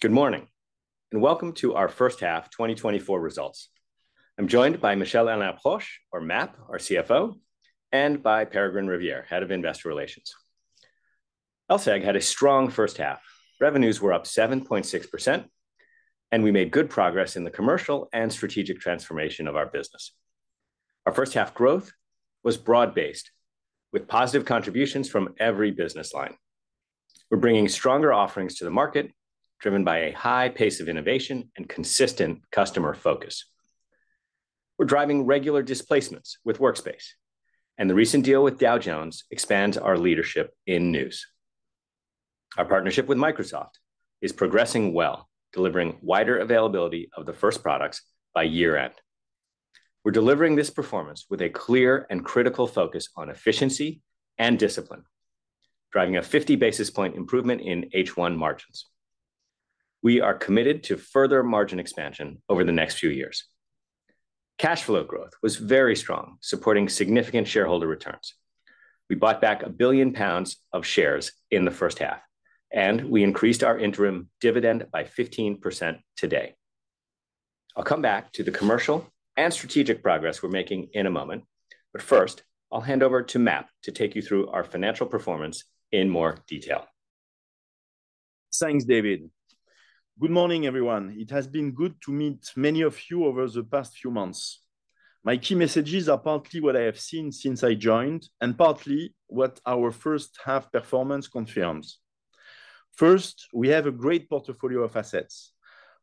Good morning, and welcome to our first half 2024 results. I'm joined by Michel-Alain Proch, or MAP, our CFO, and by Peregrine Riviere, Head of Investor Relations. LSEG had a strong first half. Revenues were up 7.6%, and we made good progress in the commercial and strategic transformation of our business. Our first half growth was broad-based, with positive contributions from every business line. We're bringing stronger offerings to the market, driven by a high pace of innovation and consistent customer focus. We're driving regular displacements with Workspace, and the recent deal with Dow Jones expands our leadership in news. Our partnership with Microsoft is progressing well, delivering wider availability of the first products by year-end. We're delivering this performance with a clear and critical focus on efficiency and discipline, driving a 50 basis points improvement in H1 margins. We are committed to further margin expansion over the next few years. Cash flow growth was very strong, supporting significant shareholder returns. We bought back 1 billion pounds of shares in the first half, and we increased our interim dividend by 15% today. I'll come back to the commercial and strategic progress we're making in a moment, but first, I'll hand over to MAP to take you through our financial performance in more detail. Thanks, David. Good morning, everyone. It has been good to meet many of you over the past few months. My key messages are partly what I have seen since I joined, and partly what our first half performance confirms. First, we have a great portfolio of assets,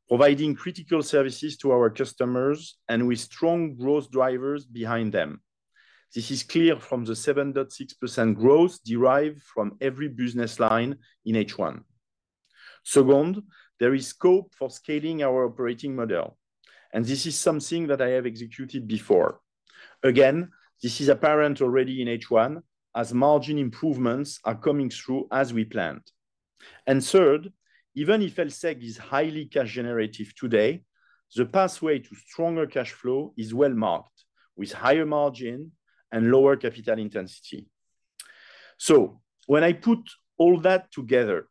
providing critical services to our customers and with strong growth drivers behind them. This is clear from the 7.6% growth derived from every business line in H1. Second, there is scope for scaling our operating model, and this is something that I have executed before. Again, this is apparent already in H1, as margin improvements are coming through as we planned. Third, even if LSEG is highly cash generative today, the pathway to stronger cash flow is well marked, with higher margin and lower capital intensity. So when I put all that together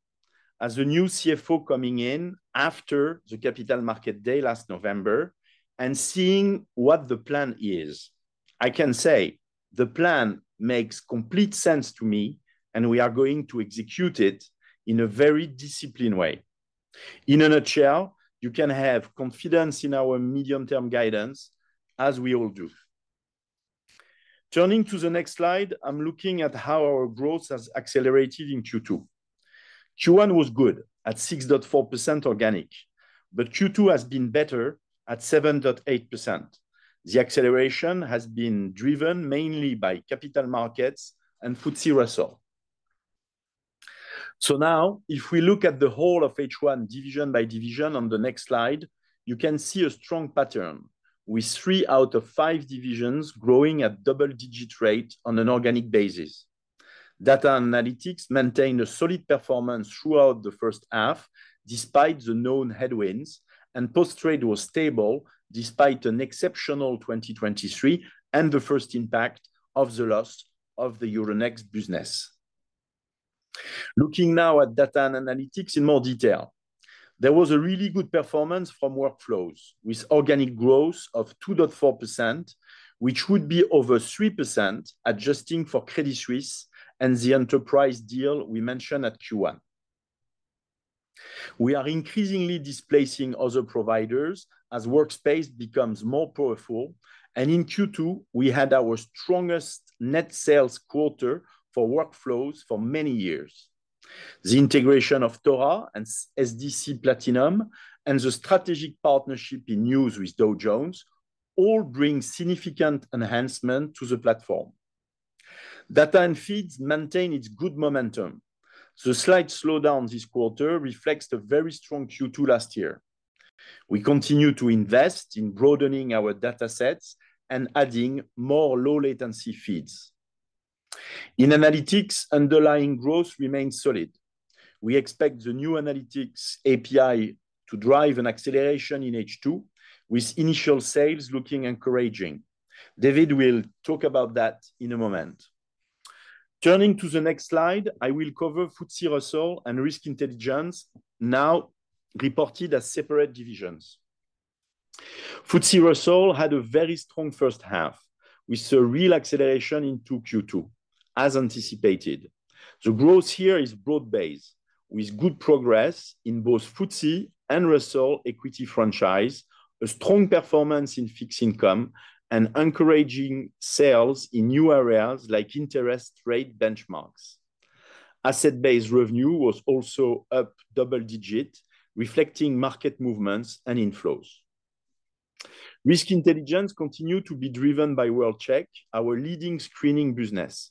as a new CFO coming in after the Capital Markets Day last November, and seeing what the plan is, I can say the plan makes complete sense to me, and we are going to execute it in a very disciplined way. In a nutshell, you can have confidence in our medium-term guidance, as we all do. Turning to the next slide, I'm looking at how our growth has accelerated in Q2. Q1 was good, at 6.4% organic, but Q2 has been better at 7.8%. The acceleration has been driven mainly by capital markets and FTSE Russell. So now, if we look at the whole of H1 division by division on the next slide, you can see a strong pattern, with three out of five divisions growing at double-digit rate on an organic basis. Data & Analytics maintained a solid performance throughout the first half, despite the known headwinds, and Post Trade was stable, despite an exceptional 2023, and the first impact of the loss of the Euronext business. Looking now at Data & Analytics in more detail. There was a really good performance from Workflows, with organic growth of 2.4%, which would be over 3%, adjusting for Credit Suisse and the enterprise deal we mentioned at Q1. We are increasingly displacing other providers as Workspace becomes more powerful, and in Q2, we had our strongest net sales quarter for Workflows for many years. The integration of TORA and SDC Platinum and the strategic partnership in news with Dow Jones all bring significant enhancement to the platform. Data & Feeds maintain its good momentum. The slight slowdown this quarter reflects the very strong Q2 last year. We continue to invest in broadening our datasets and adding more low-latency feeds. In Analytics, underlying growth remains solid. We expect the new Analytics API to drive an acceleration in H2, with initial sales looking encouraging. David will talk about that in a moment. Turning to the next slide, I will cover FTSE Russell and Risk Intelligence, now reported as separate divisions. FTSE Russell had a very strong first half, with a real acceleration into Q2, as anticipated. The growth here is broad-based, with good progress in both FTSE and Russell equity franchise, a strong performance in fixed income, and encouraging sales in new areas like interest rate benchmarks. Asset-based revenue was also up double digit, reflecting market movements and inflows. Risk Intelligence continued to be driven by World-Check, our leading screening business.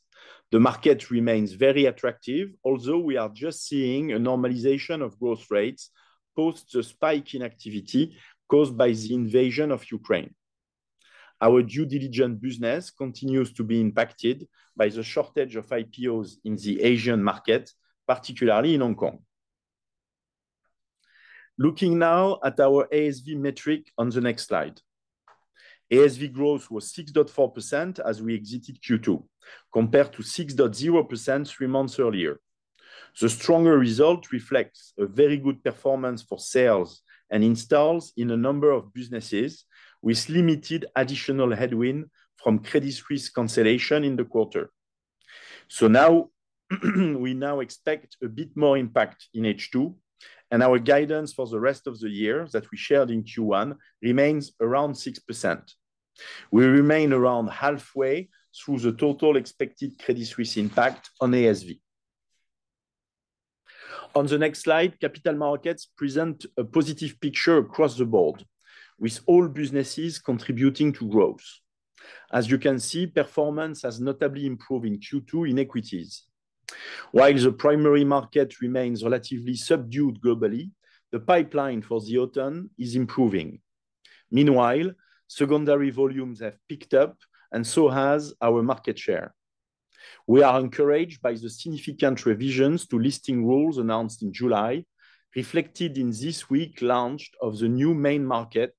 The market remains very attractive, although we are just seeing a normalization of growth rates post the spike in activity caused by the invasion of Ukraine. Our due diligence business continues to be impacted by the shortage of IPOs in the Asian market, particularly in Hong Kong. Looking now at our ASV metric on the next slide... ASV growth was 6.4% as we exited Q2, compared to 6.0% three months earlier. The stronger result reflects a very good performance for sales and installs in a number of businesses, with limited additional headwind from credit risk consideration in the quarter. So now, we now expect a bit more impact in H2, and our guidance for the rest of the year that we shared in Q1 remains around 6%. We remain around halfway through the total expected credit risk impact on ASV. On the next slide, capital markets present a positive picture across the board, with all businesses contributing to growth. As you can see, performance has notably improved in Q2 in equities. While the primary market remains relatively subdued globally, the pipeline for the autumn is improving. Meanwhile, secondary volumes have picked up, and so has our market share. We are encouraged by the significant revisions to listing rules announced in July, reflected in this week's launch of the new main market,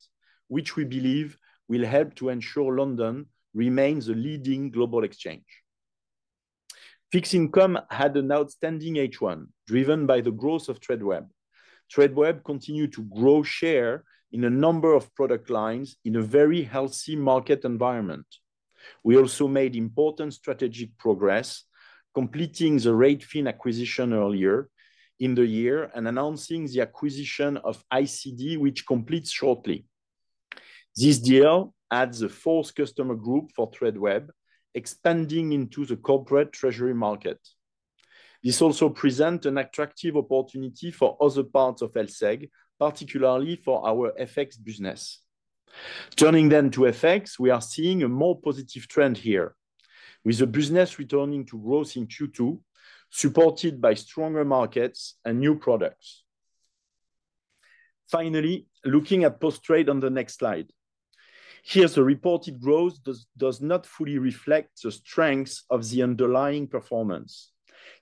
which we believe will help to ensure London remains a leading global exchange. Fixed income had an outstanding H1, driven by the growth of Tradeweb. Tradeweb continued to grow share in a number of product lines in a very healthy market environment. We also made important strategic progress, completing the Ratefin acquisition earlier in the year, and announcing the acquisition of ICD, which completes shortly. This deal adds a fourth customer group for Tradeweb, expanding into the corporate treasury market. This also presents an attractive opportunity for other parts of LSEG, particularly for our FX business. Turning then to FX, we are seeing a more positive trend here, with the business returning to growth in Q2, supported by stronger markets and new products. Finally, looking at Post Trade on the next slide. Here, the reported growth does not fully reflect the strength of the underlying performance.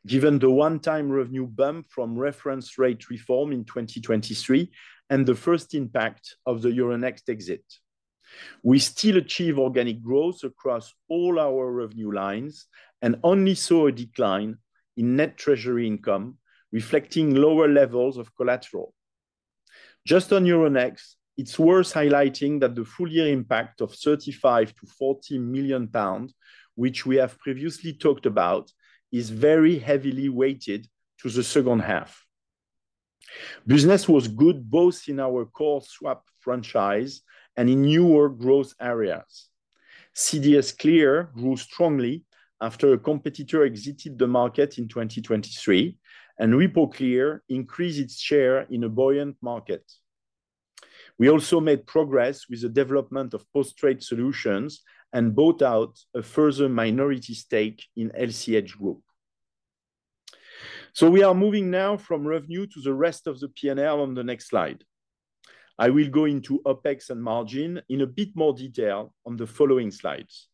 Given the one-time revenue bump from reference rate reform in 2023 and the first impact of the Euronext exit, we still achieve organic growth across all our revenue lines and only saw a decline in net treasury income, reflecting lower levels of collateral. Just on Euronext, it's worth highlighting that the full year impact of 35 million-40 million pounds, which we have previously talked about, is very heavily weighted to the second half. Business was good, both in our core swap franchise and in newer growth areas. CDSClear grew strongly after a competitor exited the market in 2023, and RepoClear increased its share in a buoyant market. We also made progress with the development of post-trade solutions and bought out a further minority stake in LCH Group. So we are moving now from revenue to the rest of the P&L on the next slide. I will go into OPEX and margin in a bit more detail on the following slides.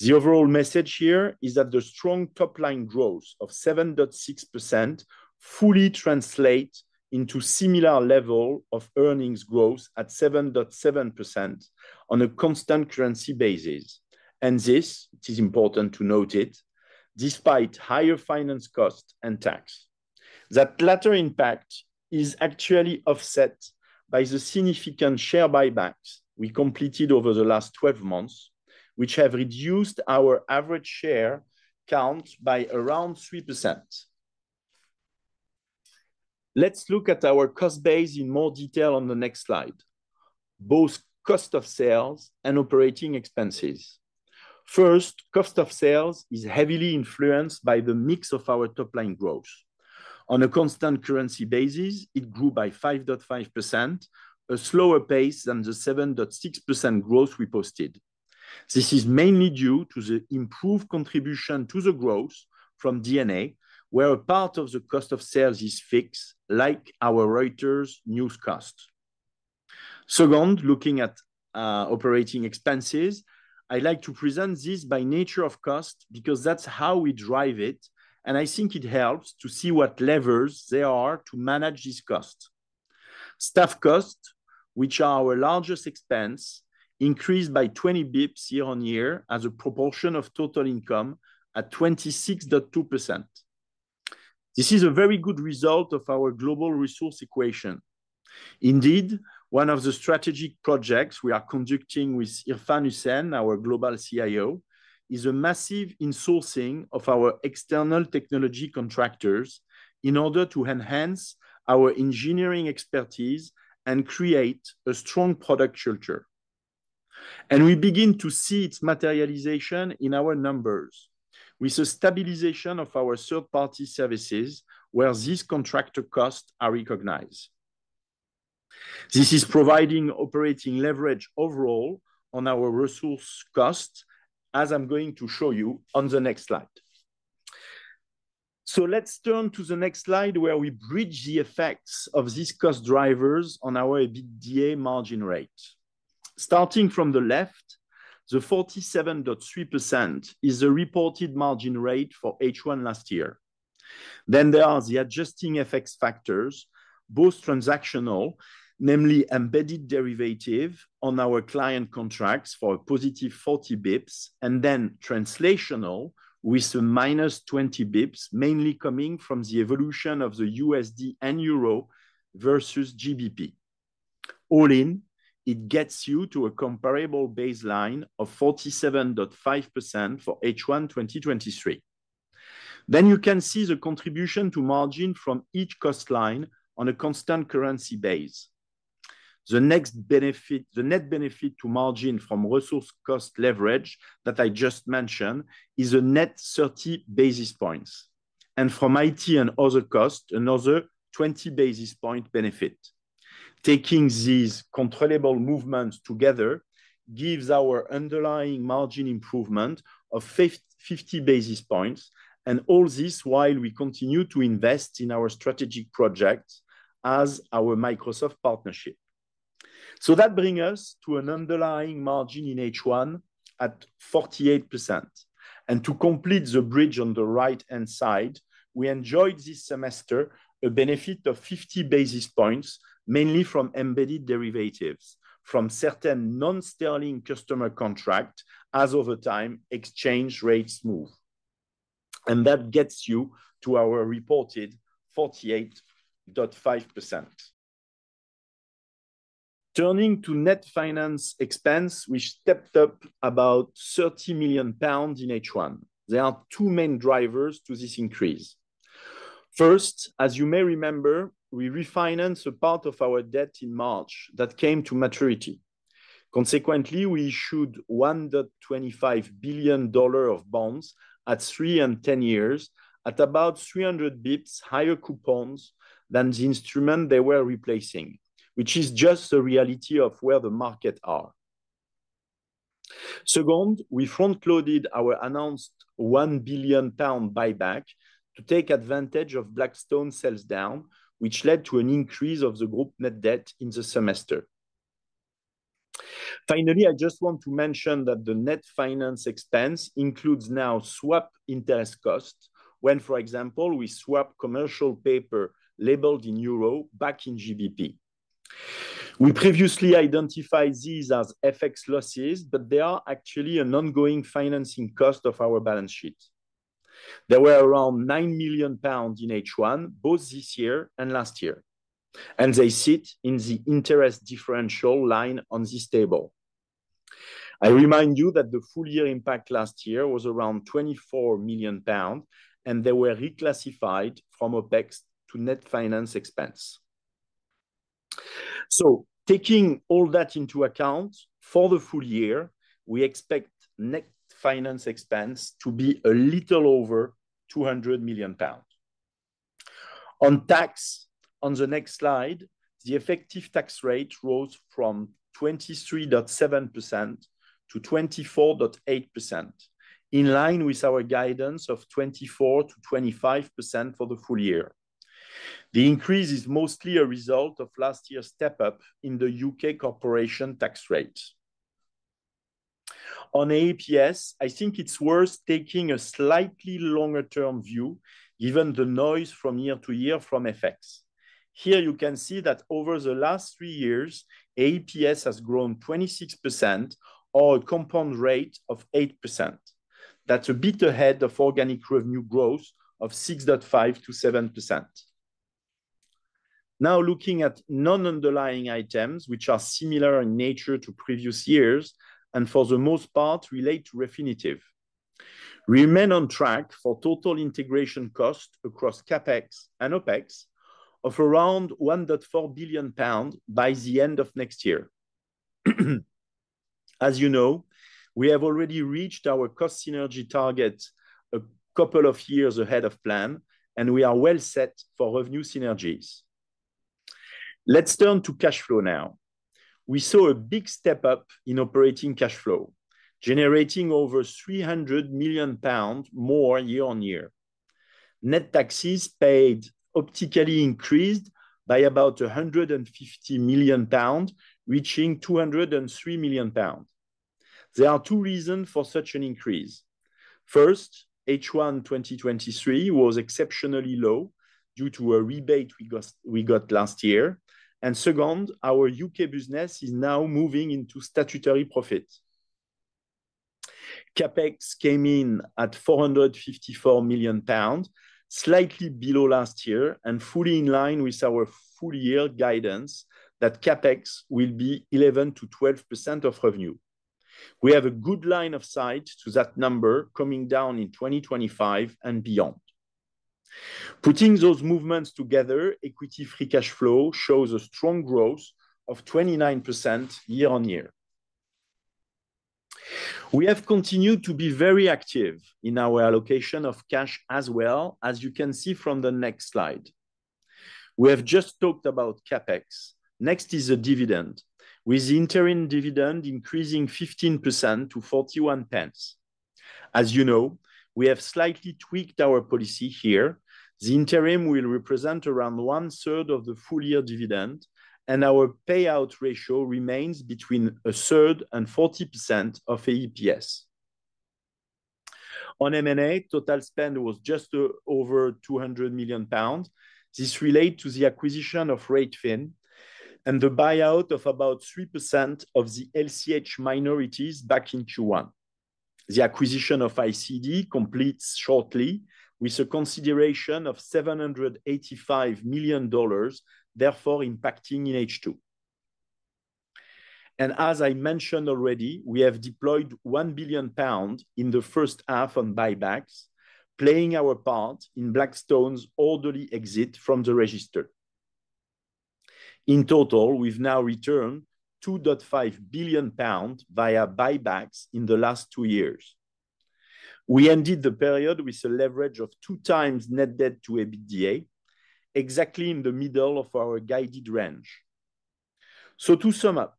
The overall message here is that the strong top-line growth of 7.6% fully translate into similar level of earnings growth at 7.7% on a constant currency basis, and this, it is important to note it, despite higher finance cost and tax. The latter impact is actually offset by the significant share buybacks we completed over the last 12 months, which have reduced our average share count by around 3%. Let's look at our cost base in more detail on the next slide, both cost of sales and operating expenses. First, cost of sales is heavily influenced by the mix of our top-line growth. On a constant currency basis, it grew by 5.5%, a slower pace than the 7.6% growth we posted. This is mainly due to the improved contribution to the growth from D&A, where a part of the cost of sales is fixed, like our Reuters news cost. Second, looking at operating expenses, I like to present this by nature of cost, because that's how we drive it, and I think it helps to see what levers there are to manage this cost. Staff costs, which are our largest expense, increased by 20 basis points year-on-year as a proportion of total income at 26.2%. This is a very good result of our global resource equation. Indeed, one of the strategic projects we are conducting with Irfan Hussain, our Global CIO, is a massive insourcing of our external technology contractors in order to enhance our engineering expertise and create a strong product culture. We begin to see its materialization in our numbers, with the stabilization of our third-party services, where these contractor costs are recognized. This is providing operating leverage overall on our resource costs, as I'm going to show you on the next slide. So let's turn to the next slide, where we bridge the effects of these cost drivers on our EBITDA margin rate. Starting from the left, the 47.3% is the reported margin rate for H1 last year... Then there are the adjusting FX factors, both transactional, namely embedded derivative on our client contracts for a positive 40 bps, and then translational with a minus 20 bps, mainly coming from the evolution of the USD and Euro versus GBP. All in, it gets you to a comparable baseline of 47.5% for H1 2023. Then you can see the contribution to margin from each cost line on a constant currency base. The next benefit, the net benefit to margin from resource cost leverage that I just mentioned, is a net 30 basis points, and from IT and other costs, another 20 basis point benefit. Taking these controllable movements together gives our underlying margin improvement of 50 basis points, and all this while we continue to invest in our strategic projects as our Microsoft partnership. So that bring us to an underlying margin in H1 at 48%. And to complete the bridge on the right-hand side, we enjoyed this semester a benefit of 50 basis points, mainly from embedded derivatives, from certain non-sterling customer contract as over time, exchange rates move. And that gets you to our reported 48.5%. Turning to net finance expense, which stepped up about 30 million pounds in H1. There are two main drivers to this increase. First, as you may remember, we refinanced a part of our debt in March that came to maturity. Consequently, we issued $1.25 billion of bonds at 3 and 10 years, at about 300 bps higher coupons than the instrument they were replacing, which is just the reality of where the market are. Second, we front-loaded our announced 1 billion pound buyback to take advantage of Blackstone sales down, which led to an increase of the group net debt in the semester. Finally, I just want to mention that the net finance expense includes now swap interest costs, when, for example, we swap commercial paper labeled in EUR back in GBP. We previously identified these as FX losses, but they are actually an ongoing financing cost of our balance sheet. They were around 9 million pounds in H1, both this year and last year, and they sit in the interest differential line on this table. I remind you that the full year impact last year was around 24 million pounds, and they were reclassified from OpEx to net finance expense. So taking all that into account, for the full year, we expect net finance expense to be a little over 200 million pounds. On tax, on the next slide, the effective tax rate rose from 23.7% to 24.8%, in line with our guidance of 24%-25% for the full year. The increase is mostly a result of last year's step up in the U.K. corporation tax rate. On AEPS, I think it's worth taking a slightly longer term view, given the noise from year to year from FX. Here you can see that over the last three years, AEPS has grown 26% or a compound rate of 8%. That's a bit ahead of organic revenue growth of 6.5%-7%. Now, looking at non-underlying items, which are similar in nature to previous years, and for the most part, relate to Refinitiv. We remain on track for total integration cost across CapEx and OpEx of around 1.4 billion pounds by the end of next year. As you know, we have already reached our cost synergy target a couple of years ahead of plan, and we are well set for revenue synergies. Let's turn to cash flow now. We saw a big step up in operating cash flow, generating over 300 million pounds more year-on-year. Net taxes paid actually increased by about 150 million pounds, reaching 203 million pounds. There are two reasons for such an increase. First, H1 2023 was exceptionally low due to a rebate we got last year. Second, our UK business is now moving into statutory profits. CapEx came in at 454 million pounds, slightly below last year and fully in line with our full year guidance that CapEx will be 11%-12% of revenue. We have a good line of sight to that number coming down in 2025 and beyond. Putting those movements together, equity free cash flow shows a strong growth of 29% year-on-year. We have continued to be very active in our allocation of cash as well, as you can see from the next slide. We have just talked about CapEx. Next is a dividend, with the interim dividend increasing 15% to 0.41. As you know, we have slightly tweaked our policy here. The interim will represent around one third of the full year dividend, and our payout ratio remains between a third and 40% of AEPS. On M&A, total spend was just over 200 million pounds. This relate to the acquisition of Acadia and the buyout of about 3% of the LCH minorities back in Q1. The acquisition of ICD completes shortly, with a consideration of $785 million, therefore impacting in H2. As I mentioned already, we have deployed 1 billion pounds in the first half on buybacks, playing our part in Blackstone's orderly exit from the register. In total, we've now returned 2.5 billion pounds via buybacks in the last two years. We ended the period with a leverage of 2x net debt to EBITDA, exactly in the middle of our guided range. So to sum up,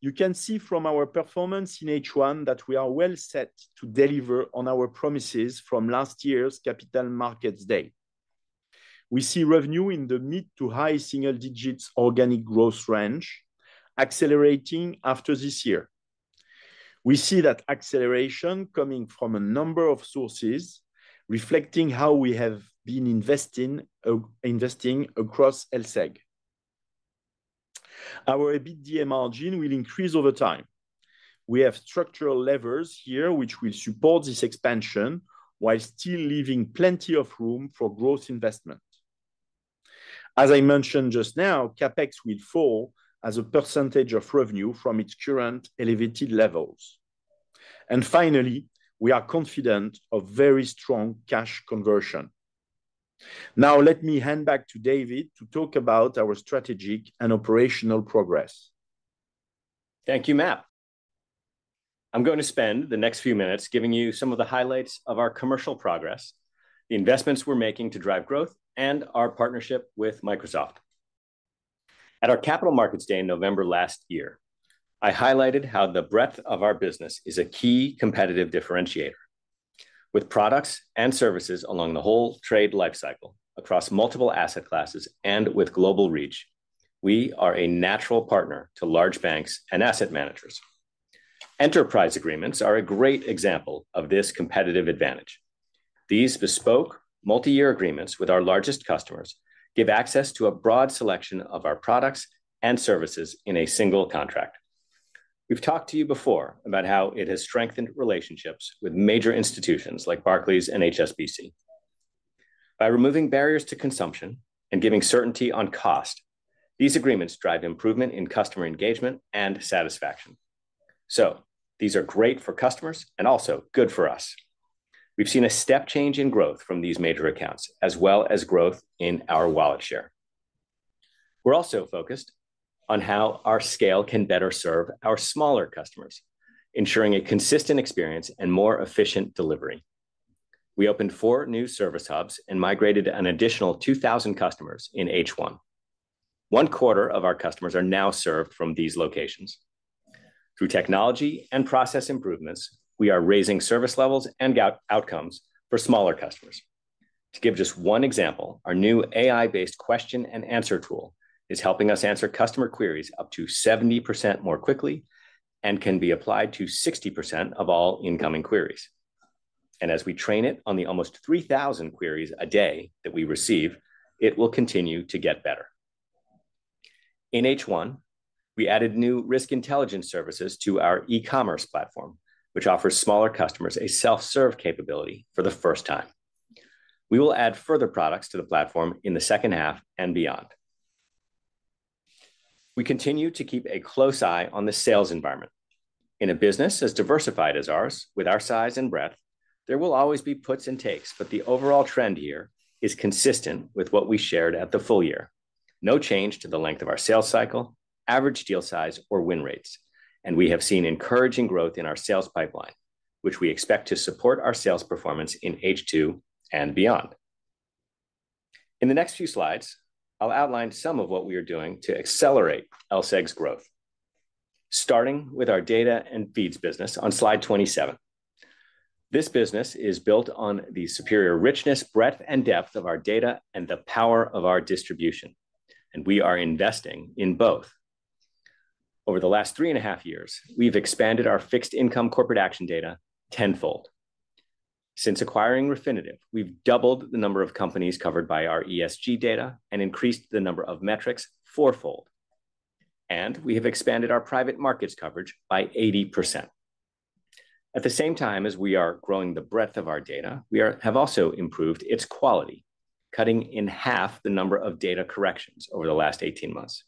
you can see from our performance in H1 that we are well set to deliver on our promises from last year's capital markets day. We see revenue in the mid to high single digits organic growth range, accelerating after this year. We see that acceleration coming from a number of sources, reflecting how we have been investing across LSEG. Our EBITDA margin will increase over time. We have structural levers here, which will support this expansion, while still leaving plenty of room for growth investment. As I mentioned just now, CapEx will fall as a percentage of revenue from its current elevated levels. Finally, we are confident of very strong cash conversion. Now, let me hand back to David to talk about our strategic and operational progress. Thank you, Matt. I'm going to spend the next few minutes giving you some of the highlights of our commercial progress, the investments we're making to drive growth, and our partnership with Microsoft. At our Capital Markets Day in November last year, I highlighted how the breadth of our business is a key competitive differentiator. With products and services along the whole trade life cycle, across multiple asset classes, and with global reach, we are a natural partner to large banks and asset managers. Enterprise agreements are a great example of this competitive advantage. These bespoke, multi-year agreements with our largest customers give access to a broad selection of our products and services in a single contract. We've talked to you before about how it has strengthened relationships with major institutions like Barclays and HSBC. By removing barriers to consumption and giving certainty on cost, these agreements drive improvement in customer engagement and satisfaction. So these are great for customers and also good for us. We've seen a step change in growth from these major accounts, as well as growth in our wallet share. We're also focused on how our scale can better serve our smaller customers, ensuring a consistent experience and more efficient delivery. We opened 4 new service hubs and migrated an additional 2,000 customers in H1. One quarter of our customers are now served from these locations. Through technology and process improvements, we are raising service levels and outcomes for smaller customers. To give just one example, our new AI-based question and answer tool is helping us answer customer queries up to 70% more quickly and can be applied to 60% of all incoming queries. As we train it on the almost 3,000 queries a day that we receive, it will continue to get better. In H1, we added new risk intelligence services to our e-commerce platform, which offers smaller customers a self-serve capability for the first time. We will add further products to the platform in the second half and beyond. We continue to keep a close eye on the sales environment. In a business as diversified as ours, with our size and breadth, there will always be puts and takes, but the overall trend here is consistent with what we shared at the full year. No change to the length of our sales cycle, average deal size, or win rates, and we have seen encouraging growth in our sales pipeline, which we expect to support our sales performance in H2 and beyond. In the next few slides, I'll outline some of what we are doing to accelerate LSEG's growth, starting with our data and feeds business on slide 27. This business is built on the superior richness, breadth, and depth of our data and the power of our distribution, and we are investing in both. Over the last 3.5 years, we've expanded our fixed income corporate action data tenfold. Since acquiring Refinitiv, we've doubled the number of companies covered by our ESG data and increased the number of metrics fourfold, and we have expanded our private markets coverage by 80%. At the same time as we are growing the breadth of our data, we have also improved its quality, cutting in half the number of data corrections over the last 18 months.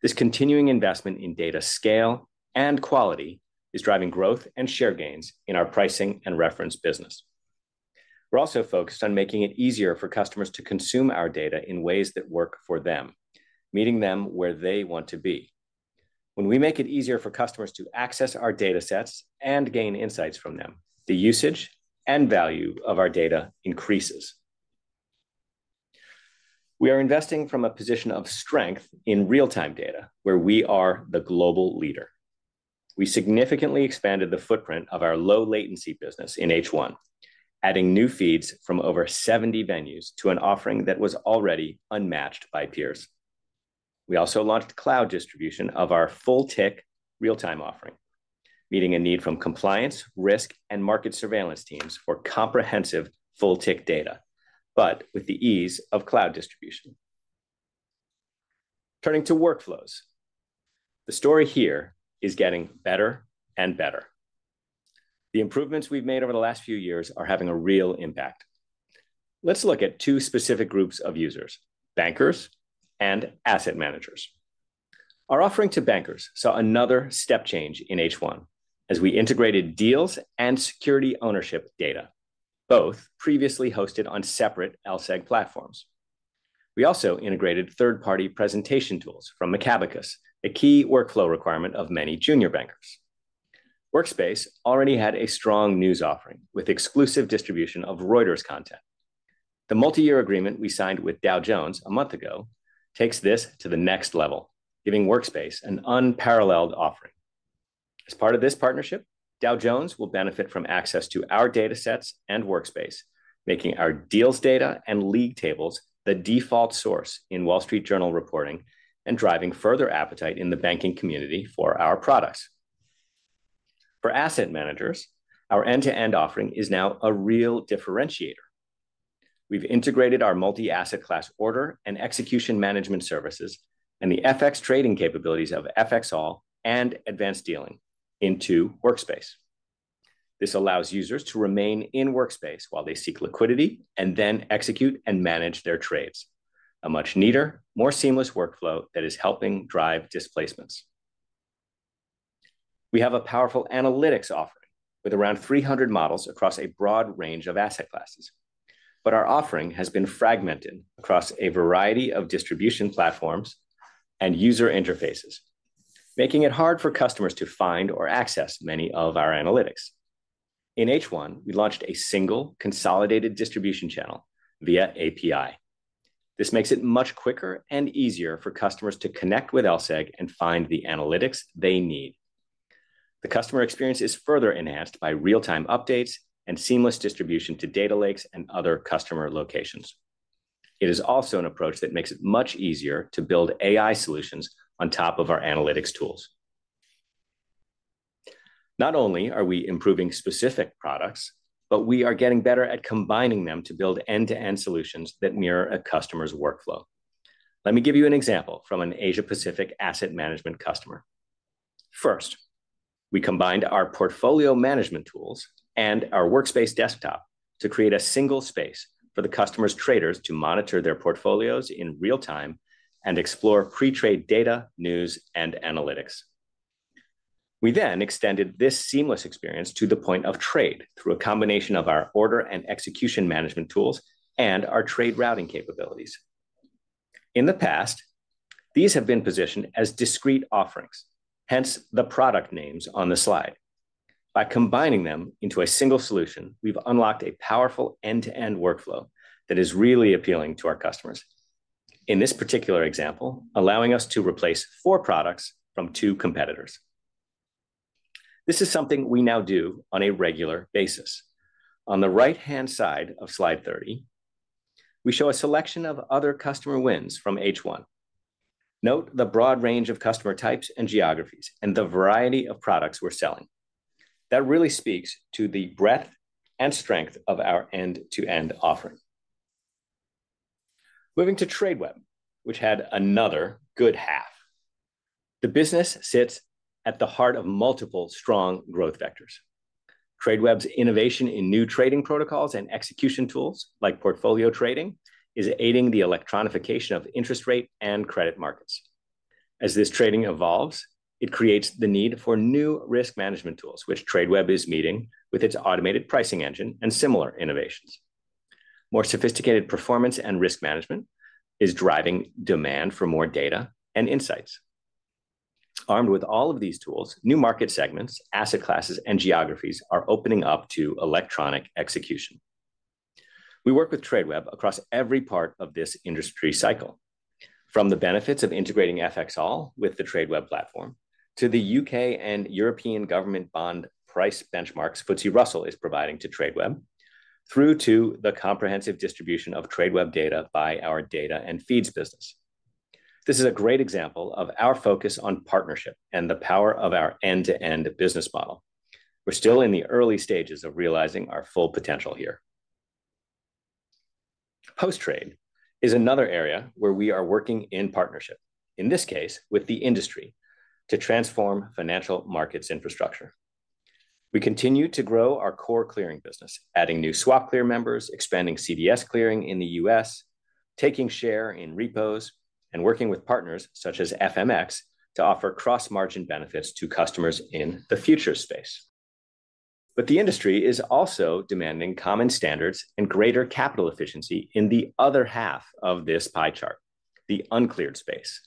This continuing investment in data scale and quality is driving growth and share gains in our pricing and reference business. We're also focused on making it easier for customers to consume our data in ways that work for them, meeting them where they want to be. When we make it easier for customers to access our datasets and gain insights from them, the usage and value of our data increases. We are investing from a position of strength in real-time data, where we are the global leader. We significantly expanded the footprint of our low latency business in H1, adding new feeds from over 70 venues to an offering that was already unmatched by peers... We also launched cloud distribution of our full-tick real-time offering, meeting a need from compliance, risk, and market surveillance teams for comprehensive full-tick data, but with the ease of cloud distribution. Turning to workflows, the story here is getting better and better. The improvements we've made over the last few years are having a real impact. Let's look at two specific groups of users: bankers and asset managers. Our offering to bankers saw another step change in H1, as we integrated deals and security ownership data, both previously hosted on separate LSEG platforms. We also integrated third-party presentation tools from Macabacus, a key workflow requirement of many junior bankers. Workspace already had a strong news offering, with exclusive distribution of Reuters content. The multi-year agreement we signed with Dow Jones a month ago takes this to the next level, giving Workspace an unparalleled offering. As part of this partnership, Dow Jones will benefit from access to our data sets and Workspace, making our deals data and league tables the default source in Wall Street Journal reporting, and driving further appetite in the banking community for our products. For asset managers, our end-to-end offering is now a real differentiator. We've integrated our multi-asset class order and execution management services, and the FX trading capabilities of FXall and advanced dealing into Workspace. This allows users to remain in Workspace while they seek liquidity, and then execute and manage their trades. A much neater, more seamless workflow that is helping drive displacements. We have a powerful analytics offering, with around 300 models across a broad range of asset classes. But our offering has been fragmented across a variety of distribution platforms and user interfaces, making it hard for customers to find or access many of our analytics. In H1, we launched a single, consolidated distribution channel via API. This makes it much quicker and easier for customers to connect with LSEG and find the analytics they need. The customer experience is further enhanced by real-time updates and seamless distribution to data lakes and other customer locations. It is also an approach that makes it much easier to build AI solutions on top of our analytics tools. Not only are we improving specific products, but we are getting better at combining them to build end-to-end solutions that mirror a customer's workflow. Let me give you an example from an Asia-Pacific asset management customer. First, we combined our portfolio management tools and our Workspace desktop to create a single space for the customer's traders to monitor their portfolios in real time and explore pre-trade data, news, and analytics. We then extended this seamless experience to the point of trade through a combination of our order and execution management tools and our trade routing capabilities. In the past, these have been positioned as discrete offerings, hence the product names on the slide. By combining them into a single solution, we've unlocked a powerful end-to-end workflow that is really appealing to our customers. In this particular example, allowing us to replace four products from two competitors. This is something we now do on a regular basis. On the right-hand side of slide 30, we show a selection of other customer wins from H1. Note the broad range of customer types and geographies, and the variety of products we're selling. That really speaks to the breadth and strength of our end-to-end offering. Moving to Tradeweb, which had another good half. The business sits at the heart of multiple strong growth vectors. Tradeweb's innovation in new trading protocols and execution tools, like portfolio trading, is aiding the electronification of interest rate and credit markets. As this trading evolves, it creates the need for new risk management tools, which Tradeweb is meeting with its automated pricing engine and similar innovations. More sophisticated performance and risk management is driving demand for more data and insights. Armed with all of these tools, new market segments, asset classes, and geographies are opening up to electronic execution. We work with Tradeweb across every part of this industry cycle, from the benefits of integrating FXall with the Tradeweb platform, to the U.K. and European government bond price benchmarks FTSE Russell is providing to Tradeweb, through to the comprehensive distribution of Tradeweb data by our data and feeds business. This is a great example of our focus on partnership and the power of our end-to-end business model. We're still in the early stages of realizing our full potential here. Post-trade is another area where we are working in partnership, in this case, with the industry, to transform financial markets infrastructure. We continue to grow our core clearing business, adding new SwapClear members, expanding CDS clearing in the U.S., taking share in repos, and working with partners, such as FMX, to offer cross-margin benefits to customers in the futures space. But the industry is also demanding common standards and greater capital efficiency in the other half of this pie chart, the uncleared space.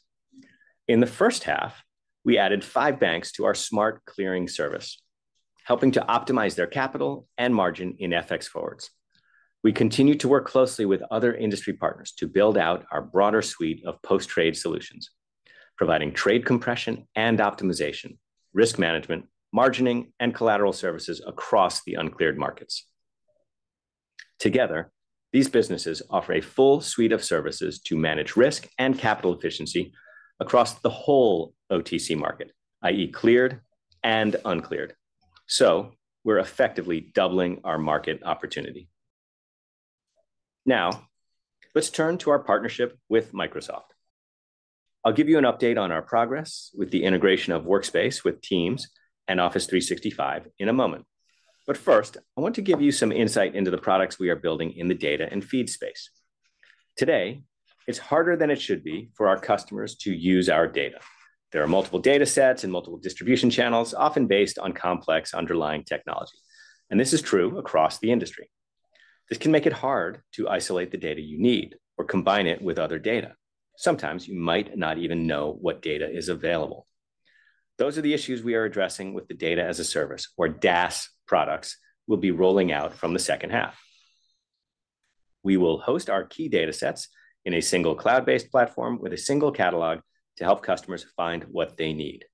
In the first half, we added five banks to our Smart Clearing service, helping to optimize their capital and margin in FX forwards. We continue to work closely with other industry partners to build out our broader suite of Post Trade solutions, providing trade compression and optimization, risk management, margining, and collateral services across the uncleared markets. Together, these businesses offer a full suite of services to manage risk and capital efficiency across the whole OTC market, i.e., cleared and uncleared. So we're effectively doubling our market opportunity. Now, let's turn to our partnership with Microsoft. I'll give you an update on our progress with the integration of Workspace with Teams and Office 365 in a moment. But first, I want to give you some insight into the products we are building in the data and feed space. Today, it's harder than it should be for our customers to use our data. There are multiple data sets and multiple distribution channels, often based on complex underlying technology, and this is true across the industry. This can make it hard to isolate the data you need or combine it with other data. Sometimes you might not even know what data is available. Those are the issues we are addressing with the Data as a Service or DaaS products we'll be rolling out from the second half. We will host our key data sets in a single cloud-based platform with a single catalog to help customers find what they need.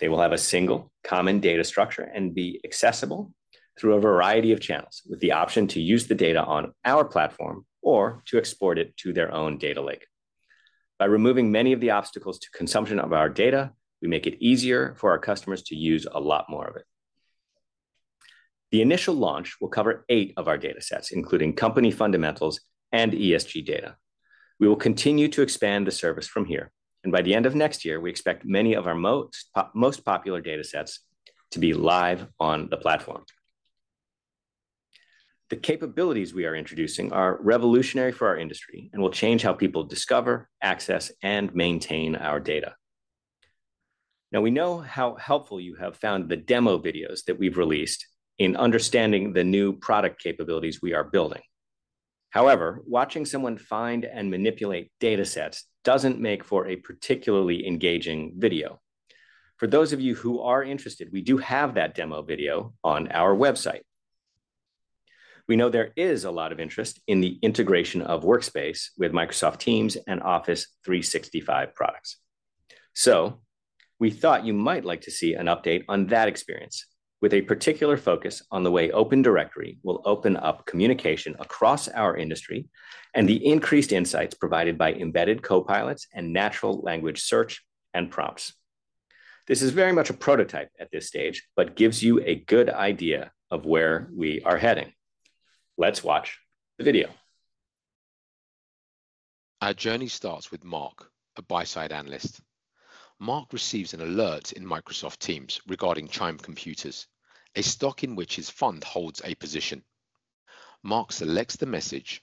They will have a single common data structure and be accessible through a variety of channels, with the option to use the data on our platform or to export it to their own data lake. By removing many of the obstacles to consumption of our data, we make it easier for our customers to use a lot more of it. The initial launch will cover eight of our data sets, including company fundamentals and ESG data. We will continue to expand the service from here, and by the end of next year, we expect many of our most, most popular data sets to be live on the platform. The capabilities we are introducing are revolutionary for our industry and will change how people discover, access, and maintain our data. Now, we know how helpful you have found the demo videos that we've released in understanding the new product capabilities we are building. However, watching someone find and manipulate data sets doesn't make for a particularly engaging video. For those of you who are interested, we do have that demo video on our website. We know there is a lot of interest in the integration of Workspace with Microsoft Teams and Office 365 products. So we thought you might like to see an update on that experience, with a particular focus on the way Open Directory will open up communication across our industry, and the increased insights provided by embedded copilots and natural language search and prompts. This is very much a prototype at this stage, but gives you a good idea of where we are heading. Let's watch the video. Our journey starts with Mark, a buy-side analyst. Mark receives an alert in Microsoft Teams regarding Chime Computers, a stock in which his fund holds a position. Mark selects the message,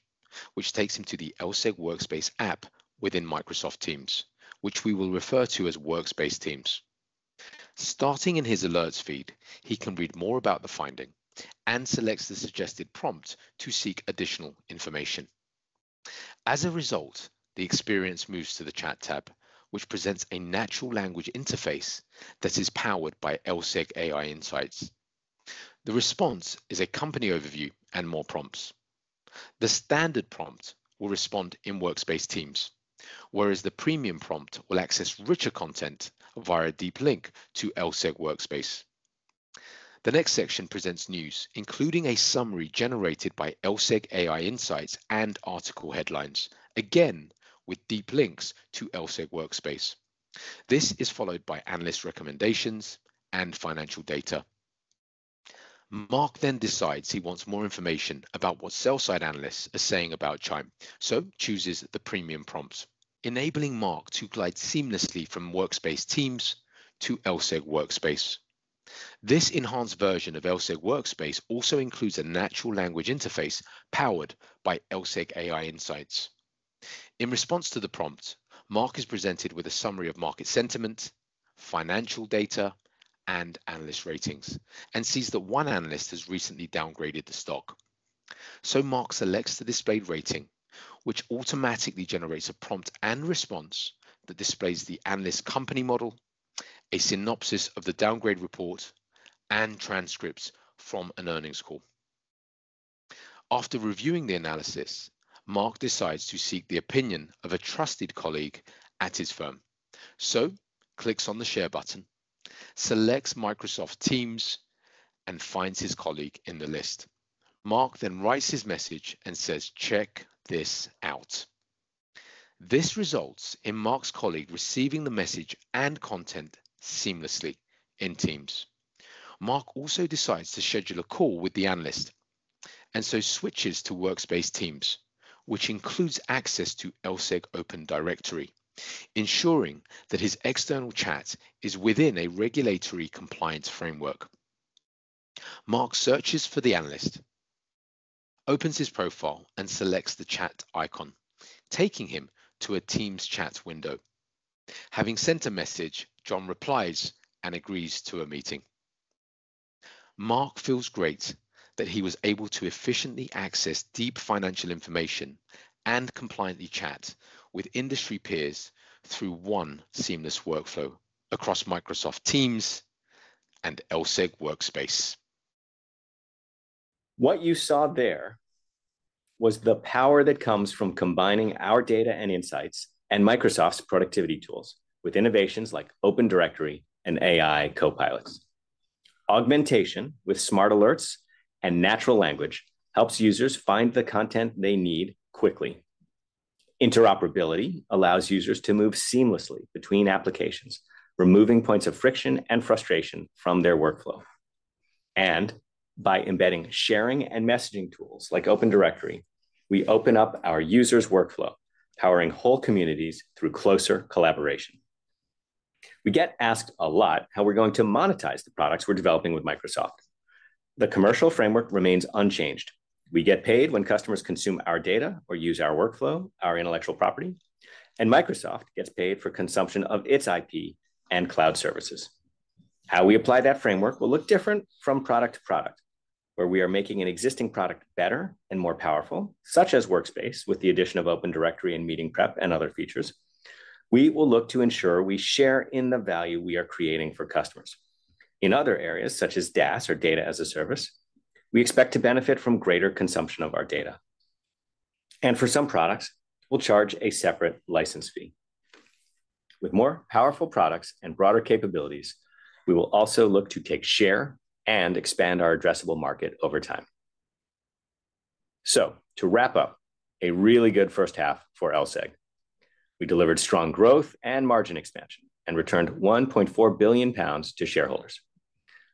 which takes him to the LSEG Workspace app within Microsoft Teams, which we will refer to as Workspace Teams. Starting in his alerts feed, he can read more about the finding and selects the suggested prompt to seek additional information. As a result, the experience moves to the chat tab, which presents a natural language interface that is powered by LSEG AI Insights. The response is a company overview and more prompts. The standard prompt will respond in Workspace Teams, whereas the premium prompt will access richer content via a deep link to LSEG Workspace. The next section presents news, including a summary generated by LSEG AI Insights and article headlines, again, with deep links to LSEG Workspace. This is followed by analyst recommendations and financial data. Mark then decides he wants more information about what sell-side analysts are saying about Chime, so chooses the premium prompts, enabling Mark to glide seamlessly from Microsoft Teams to LSEG Workspace. This enhanced version of LSEG Workspace also includes a natural language interface powered by LSEG AI Insights. In response to the prompt, Mark is presented with a summary of market sentiment, financial data, and analyst ratings, and sees that one analyst has recently downgraded the stock. So Mark selects the displayed rating, which automatically generates a prompt and response that displays the analyst company model, a synopsis of the downgrade report, and transcripts from an earnings call. After reviewing the analysis, Mark decides to seek the opinion of a trusted colleague at his firm, so clicks on the Share button, selects Microsoft Teams, and finds his colleague in the list. Mark then writes his message and says, "Check this out!" This results in Mark's colleague receiving the message and content seamlessly in Teams. Mark also decides to schedule a call with the analyst, and so switches to Workspace Teams, which includes access to LSEG Open Directory, ensuring that his external chat is within a regulatory compliance framework. Mark searches for the analyst, opens his profile, and selects the chat icon, taking him to a Teams chat window. Having sent a message, John replies and agrees to a meeting. Mark feels great that he was able to efficiently access deep financial information and compliantly chat with industry peers through one seamless workflow across Microsoft Teams and LSEG Workspace. What you saw there was the power that comes from combining our data and insights and Microsoft's productivity tools, with innovations like Open Directory and AI Copilots. Augmentation with smart alerts and natural language helps users find the content they need quickly. Interoperability allows users to move seamlessly between applications, removing points of friction and frustration from their workflow. And by embedding sharing and messaging tools like Open Directory, we open up our users' workflow, powering whole communities through closer collaboration. We get asked a lot how we're going to monetize the products we're developing with Microsoft. The commercial framework remains unchanged. We get paid when customers consume our data or use our workflow, our intellectual property, and Microsoft gets paid for consumption of its IP and cloud services. How we apply that framework will look different from product to product, where we are making an existing product better and more powerful, such as Workspace, with the addition of Open Directory and Meeting Prep and other features. We will look to ensure we share in the value we are creating for customers. In other areas, such as DaaS or Data as a Service, we expect to benefit from greater consumption of our data. For some products, we'll charge a separate license fee. With more powerful products and broader capabilities, we will also look to take share and expand our addressable market over time. So to wrap up, a really good first half for LSEG. We delivered strong growth and margin expansion and returned 1.4 billion pounds to shareholders.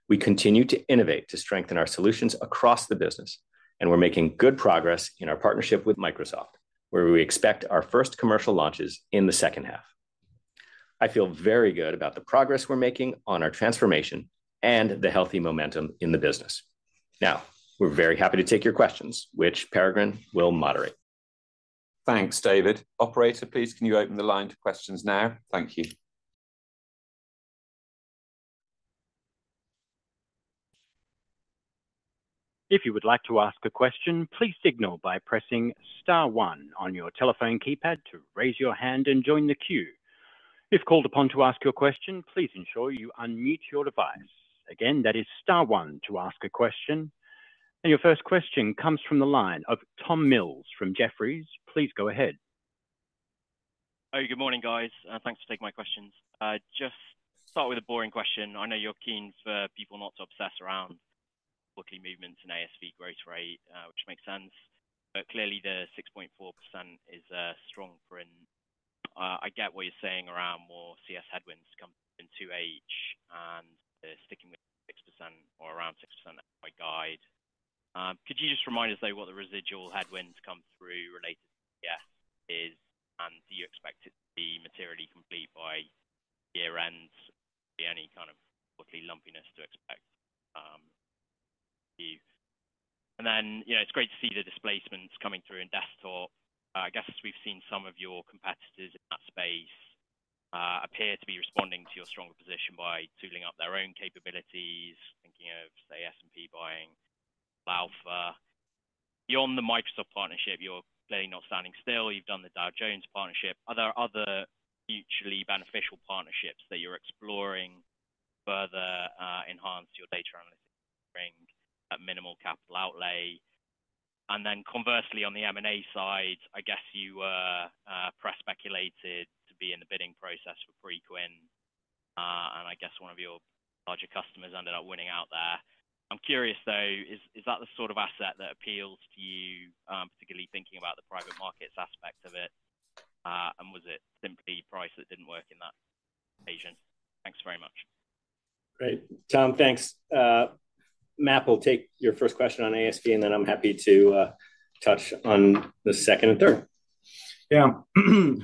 We continue to innovate to strengthen our solutions across the business, and we're making good progress in our partnership with Microsoft, where we expect our first commercial launches in the second half. I feel very good about the progress we're making on our transformation and the healthy momentum in the business. Now, we're very happy to take your questions, which Peregrine will moderate. Thanks, David. Operator, please can you open the line to questions now? Thank you. If you would like to ask a question, please signal by pressing star one on your telephone keypad to raise your hand and join the queue. If called upon to ask your question, please ensure you unmute your device. Again, that is star one to ask a question. And your first question comes from the line of Tom Mills from Jefferies. Please go ahead. Oh, good morning, guys. Thanks for taking my questions. I'll just start with a boring question. I know you're keen for people not to obsess around booking movements and ASV growth rate, which makes sense, but clearly the 6.4% is a strong print. I get what you're saying around more CS headwinds coming in 2H, and they're sticking with 6% or around 6% by guide. Could you just remind us, though, what the residual headwinds come through related to CS is, and do you expect it to be materially complete by year-end? Be any kind of quarterly lumpiness to expect? And then, you know, it's great to see the displacements coming through in desktop. I guess we've seen some of your competitors in that space appear to be responding to your stronger position by tooling up their own capabilities, thinking of, say, S&P buying Alpha. Beyond the Microsoft partnership, you're clearly not standing still. You've done the Dow Jones partnership. Are there other mutually beneficial partnerships that you're exploring to further enhance your data analytics, bring a minimal capital outlay? And then conversely, on the M&A side, I guess you were press speculated to be in the bidding process for Preqin, and I guess one of your larger customers ended up winning out there. I'm curious, though, is that the sort of asset that appeals to you, particularly thinking about the private markets aspect of it? And was it simply price that didn't work in that occasion? Thanks very much. Great. Tom, thanks. Map will take your first question on ASV, and then I'm happy to touch on the second and third. Yeah.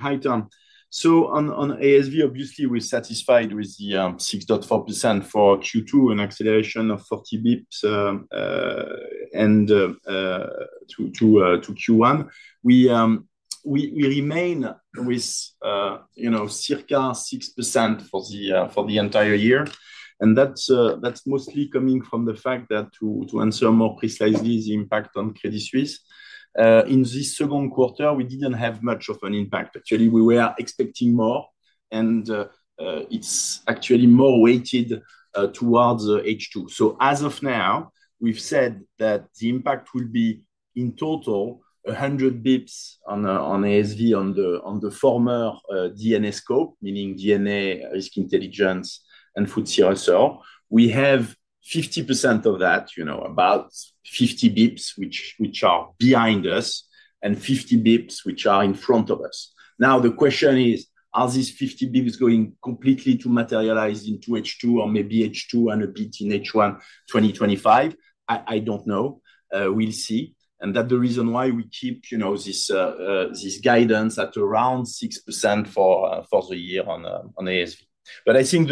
Hi, Tom. So on ASV, obviously, we're satisfied with the 6.4% for Q2, an acceleration of 40 basis points to Q1. We remain with, you know, circa 6% for the entire year, and that's mostly coming from the fact that to answer more precisely the impact on Credit Suisse. In this second quarter, we didn't have much of an impact. Actually, we were expecting more, and it's actually more weighted towards H2. So as of now, we've said that the impact will be, in total, 100 basis points on ASV, on the former DNA scope, meaning DNA, Risk Intelligence, and Food CSO. We have 50% of that, you know, about 50 bps, which are behind us, and 50 bps, which are in front of us. Now, the question is: Are these 50 bps going completely to materialize into H2 or maybe H2 and a bit in H1 2025? I don't know. We'll see. And that's the reason why we keep, you know, this guidance at around 6% for the year on ASV. But I think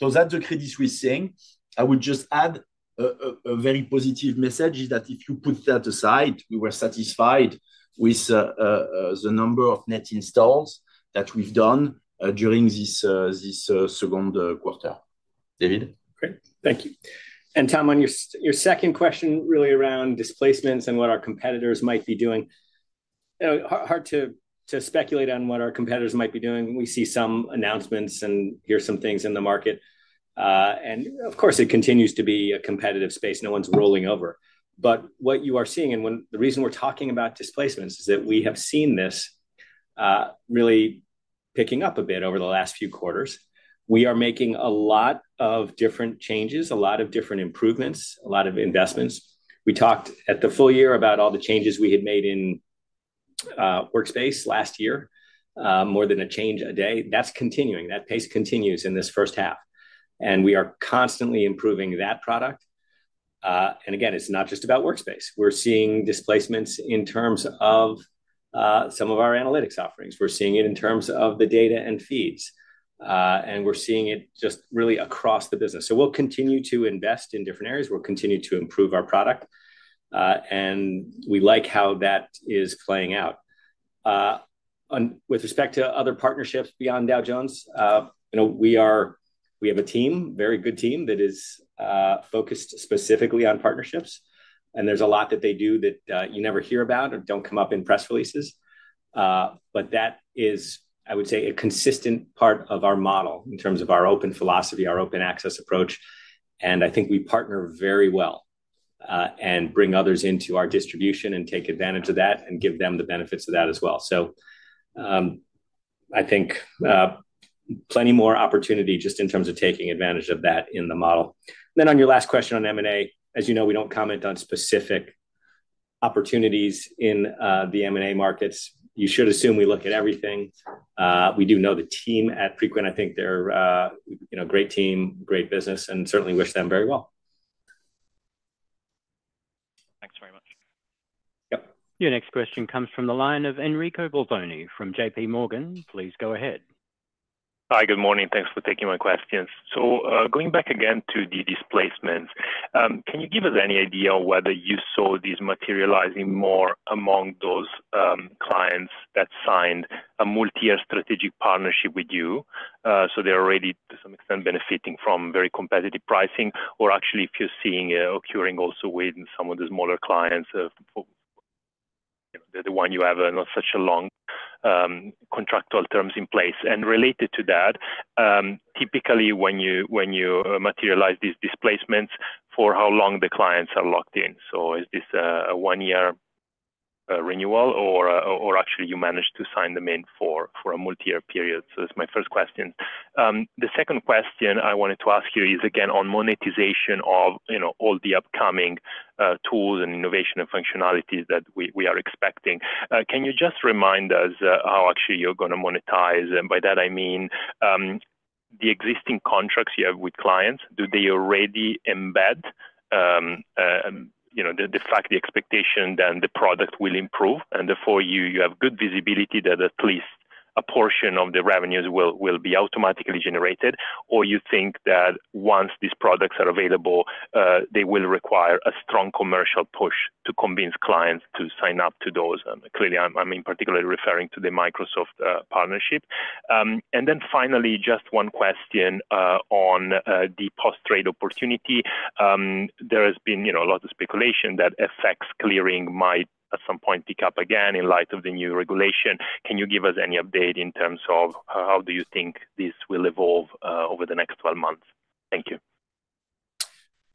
the—so that's the Credit Suisse thing. I would just add a very positive message is that if you put that aside, we were satisfied with the number of net installs that we've done during this second quarter. David? Great. Thank you. And Tom, on your second question, really around displacements and what our competitors might be doing, you know, hard to speculate on what our competitors might be doing. We see some announcements and hear some things in the market. And of course, it continues to be a competitive space. No one's rolling over. But what you are seeing, the reason we're talking about displacements is that we have seen this picking up a bit over the last few quarters. We are making a lot of different changes, a lot of different improvements, a lot of investments. We talked at the full year about all the changes we had made in Workspace last year, more than a change a day. That's continuing. That pace continues in this first half, and we are constantly improving that product. And again, it's not just about Workspace. We're seeing displacements in terms of, some of our analytics offerings. We're seeing it in terms of the data and feeds, and we're seeing it just really across the business. So we'll continue to invest in different areas. We'll continue to improve our product, and we like how that is playing out. And with respect to other partnerships beyond Dow Jones, you know, we are- we have a team, very good team, that is, focused specifically on partnerships, and there's a lot that they do that, you never hear about or don't come up in press releases. But that is, I would say, a consistent part of our model in terms of our open philosophy, our open access approach, and I think we partner very well, and bring others into our distribution and take advantage of that and give them the benefits of that as well. So, I think, plenty more opportunity just in terms of taking advantage of that in the model. Then on your last question on M&A, as you know, we don't comment on specific opportunities in, the M&A markets. You should assume we look at everything. We do know the team at Preqin. I think they're, you know, great team, great business, and certainly wish them very well. Thanks very much. Yep. Your next question comes from the line of Enrico Bolzoni from J.P. Morgan. Please go ahead. Hi, good morning. Thanks for taking my questions. So, going back again to the displacements, can you give us any idea on whether you saw these materializing more among those, clients that signed a multi-year strategic partnership with you? So they're already, to some extent, benefiting from very competitive pricing, or actually, if you're seeing it occurring also with some of the smaller clients, you know, the one you have not such a long, contractual terms in place. And related to that, typically, when you materialize these displacements, for how long the clients are locked in? So is this, a one-year, renewal, or, or actually you manage to sign them in for, a multi-year period? So that's my first question. The second question I wanted to ask you is, again, on monetization of, you know, all the upcoming, tools and innovation and functionalities that we, we are expecting. Can you just remind us, how actually you're gonna monetize? And by that, I mean, the existing contracts you have with clients, do they already embed, you know, the, the fact, the expectation that the product will improve, and therefore you, you have good visibility that at least a portion of the revenues will, will be automatically generated? Or you think that once these products are available, they will require a strong commercial push to convince clients to sign up to those? Clearly, I'm, I'm particularly referring to the Microsoft, partnership. And then finally, just one question, on, the post-trade opportunity. There has been, you know, a lot of speculation that FX clearing might at some point pick up again in light of the new regulation. Can you give us any update in terms of how do you think this will evolve, over the next 12 months? Thank you.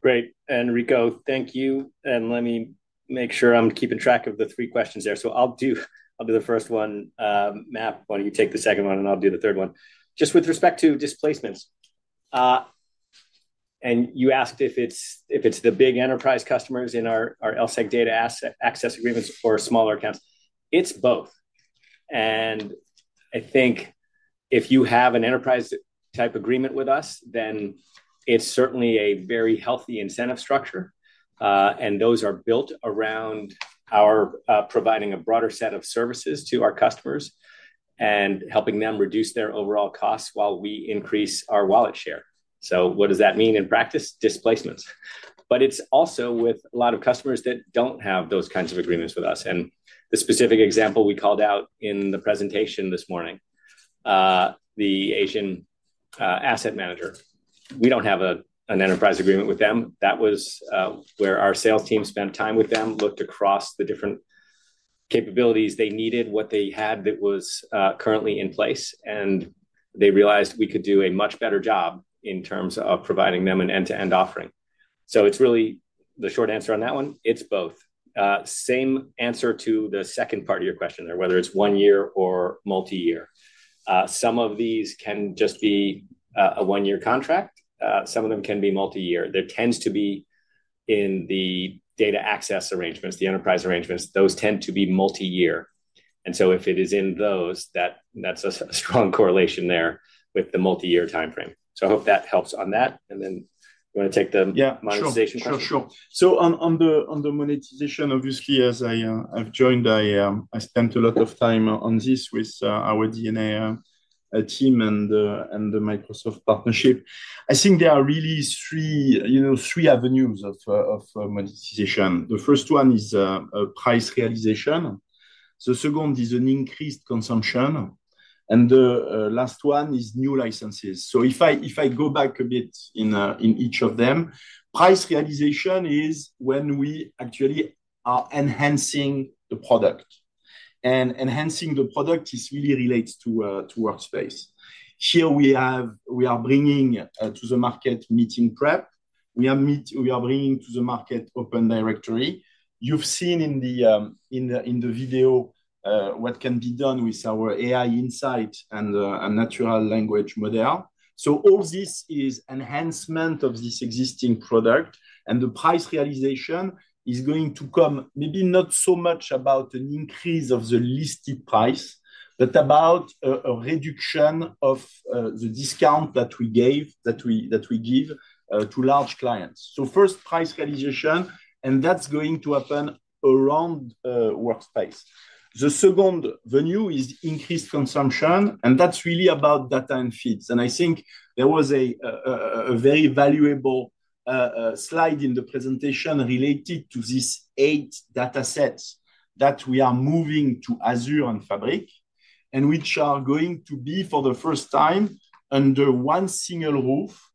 Great, Enrico. Thank you, and let me make sure I'm keeping track of the three questions there. So I'll do the first one. Matt, why don't you take the second one, and I'll do the third one? Just with respect to displacements, and you asked if it's the big enterprise customers in our LSEG data asset access agreements or smaller accounts. It's both, and I think if you have an enterprise type agreement with us, then it's certainly a very healthy incentive structure, and those are built around our providing a broader set of services to our customers and helping them reduce their overall costs while we increase our wallet share. So what does that mean in practice? Displacements. But it's also with a lot of customers that don't have those kinds of agreements with us, and the specific example we called out in the presentation this morning, the Asian asset manager. We don't have an enterprise agreement with them. That was where our sales team spent time with them, looked across the different capabilities they needed, what they had that was currently in place, and they realized we could do a much better job in terms of providing them an end-to-end offering. So it's really... The short answer on that one, it's both. Same answer to the second part of your question, whether it's one year or multi-year. Some of these can just be a one-year contract, some of them can be multi-year. There tends to be in the data access arrangements, the enterprise arrangements, those tend to be multi-year, and so if it is in those, that's a strong correlation there with the multi-year timeframe. So I hope that helps on that, and then you want to take the- Yeah... monetization question? Sure, sure. So on the monetization, obviously, as I've joined, I spent a lot of time on this with our DNA team and the Microsoft partnership. I think there are really three, you know, three avenues of monetization. The first one is a price realization, the second is an increased consumption, and the last one is new licenses. So if I go back a bit in each of them, price realization is when we actually are enhancing the product. And enhancing the product, this really relates to Workspace. Here we are bringing to the market Meeting Prep. We are bringing to the market Open Directory. You've seen in the video what can be done with our AI insight and the natural language model. So all this is enhancement of this existing product, and the price realization is going to come, maybe not so much about an increase of the listed price, but about a reduction of the discount that we give to large clients. So first, price realization, and that's going to happen around Workspace. The second venue is increased consumption, and that's really about data and feeds. I think there was a very valuable slide in the presentation related to these eight datasets that we are moving to Azure and Fabric, and which are going to be, for the first time, under one single roof,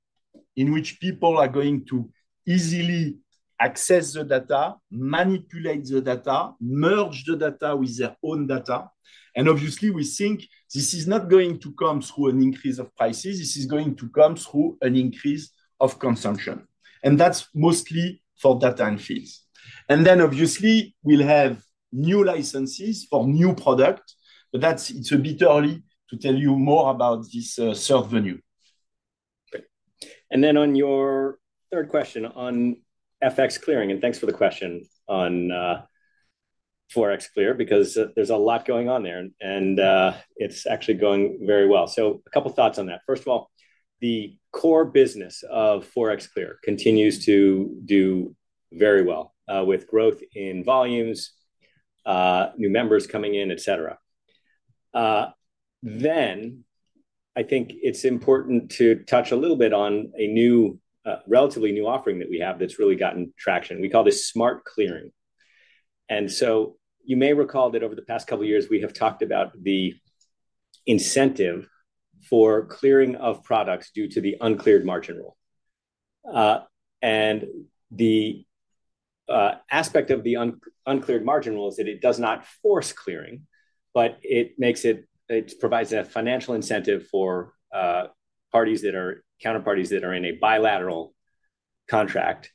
in which people are going to easily access the data, manipulate the data, merge the data with their own data. And obviously, we think this is not going to come through an increase of prices; this is going to come through an increase of consumption. And that's mostly for data and feeds. And then, obviously, we'll have new licenses for new product, but that's, it's a bit early to tell you more about this third venue. Great. And then on your third question on FX clearing, and thanks for the question on ForexClear, because there, there's a lot going on there, and it's actually going very well. So a couple thoughts on that. First of all, the core business of ForexClear continues to do very well with growth in volumes, new members coming in, et cetera. Then, I think it's important to touch a little bit on a new, relatively new offering that we have that's really gotten traction. We call this Smart Clearing. And so you may recall that over the past couple of years, we have talked about the incentive for clearing of products due to the uncleared margin rule. And the aspect of the uncleared margin rule is that it does not force clearing, but it provides a financial incentive for parties that are counterparties that are in a bilateral contract,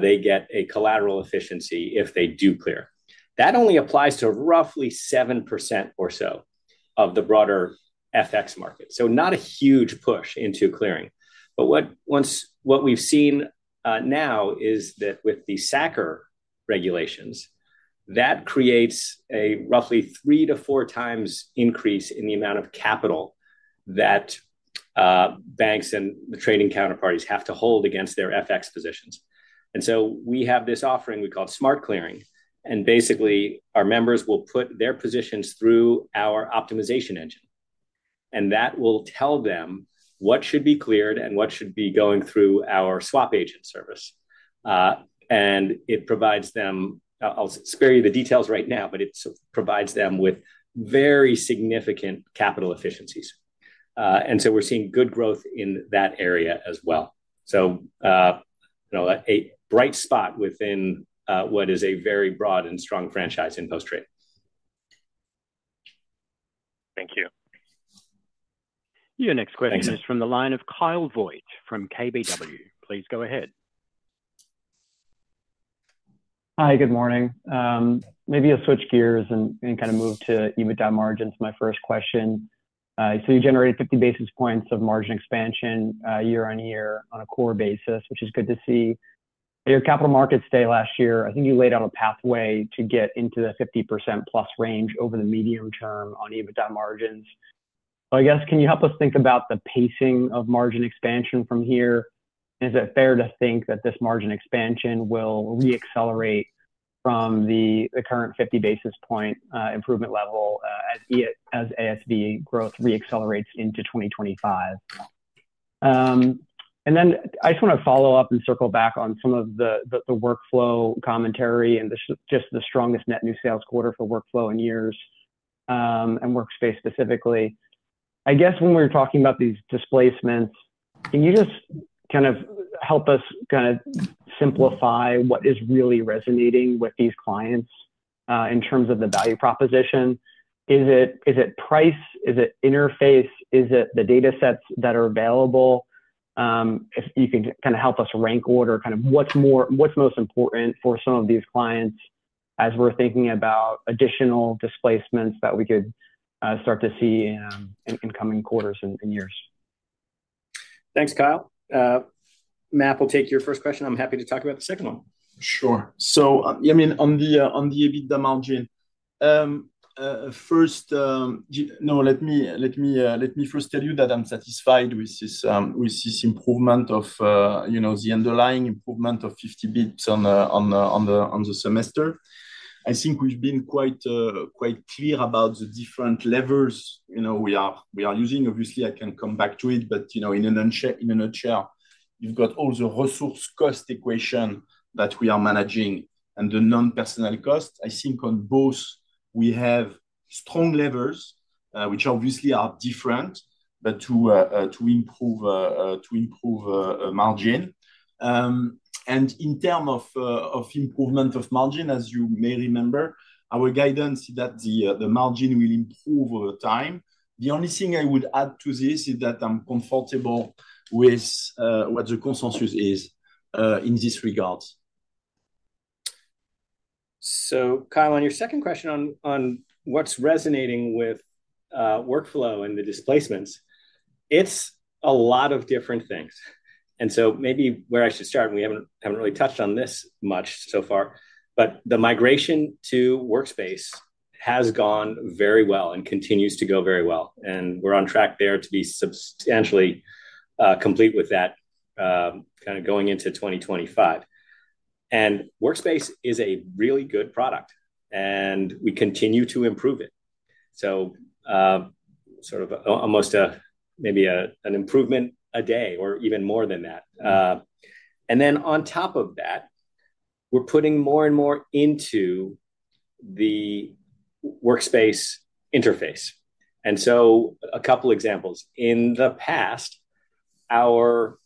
they get a collateral efficiency if they do clear. That only applies to roughly 7% or so of the broader FX market, so not a huge push into clearing. But what we've seen now is that with the SA-CCR regulations, that creates a roughly 3-4 times increase in the amount of capital that banks and the trading counterparties have to hold against their FX positions. We have this offering we call Smart Clearing, and basically, our members will put their positions through our optimization engine, and that will tell them what should be cleared and what should be going through our SwapAgent service. And it provides them... I'll spare you the details right now, but it sort of provides them with very significant capital efficiencies. And so we're seeing good growth in that area as well. So, you know, a bright spot within what is a very broad and strong franchise in post-trade. Thank you. Your next question- Thanks Is from the line of Kyle Voigt from KBW. Please go ahead. Hi, good morning. Maybe I'll switch gears and kind of move to EBITDA margins, my first question. So you generated 50 basis points of margin expansion, year-on-year on a core basis, which is good to see. At your Capital Markets Day last year, I think you laid out a pathway to get into the 50% plus range over the medium term on EBITDA margins. So I guess, can you help us think about the pacing of margin expansion from here? Is it fair to think that this margin expansion will re-accelerate from the current 50 basis point improvement level, as ASV growth re-accelerates into 2025? Then I just want to follow up and circle back on some of the workflow commentary and just the strongest net new sales quarter for workflow in years, and Workspace specifically. I guess when we're talking about these displacements, can you just kind of help us kinda simplify what is really resonating with these clients in terms of the value proposition? Is it price? Is it interface? Is it the datasets that are available? If you could kinda help us rank order kind of what's most important for some of these clients as we're thinking about additional displacements that we could start to see in coming quarters and years. Thanks, Kyle. Map will take your first question. I'm happy to talk about the second one. Sure. So, yeah, I mean, on the EBITDA margin, first, no, let me, let me, let me first tell you that I'm satisfied with this, with this improvement of, you know, the underlying improvement of 50 bps on the semester. I think we've been quite clear about the different levers, you know, we are using. Obviously, I can come back to it but, you know, in a nutshell, you've got all the resource cost equation that we are managing and the non-personnel costs. I think on both, we have strong levers, which obviously are different, but to improve margin. And in terms of improvement of margin, as you may remember, our guidance is that the margin will improve over time. The only thing I would add to this is that I'm comfortable with what the consensus is in this regard.... So Kyle, on your second question on what's resonating with workflow and the displacements, it's a lot of different things. And so maybe where I should start, and we haven't really touched on this much so far, but the migration to Workspace has gone very well and continues to go very well, and we're on track there to be substantially complete with that kind of going into 2025. And Workspace is a really good product, and we continue to improve it. So sort of almost a, maybe an improvement a day or even more than that. And then on top of that, we're putting more and more into the Workspace interface. And so a couple examples. In the past, our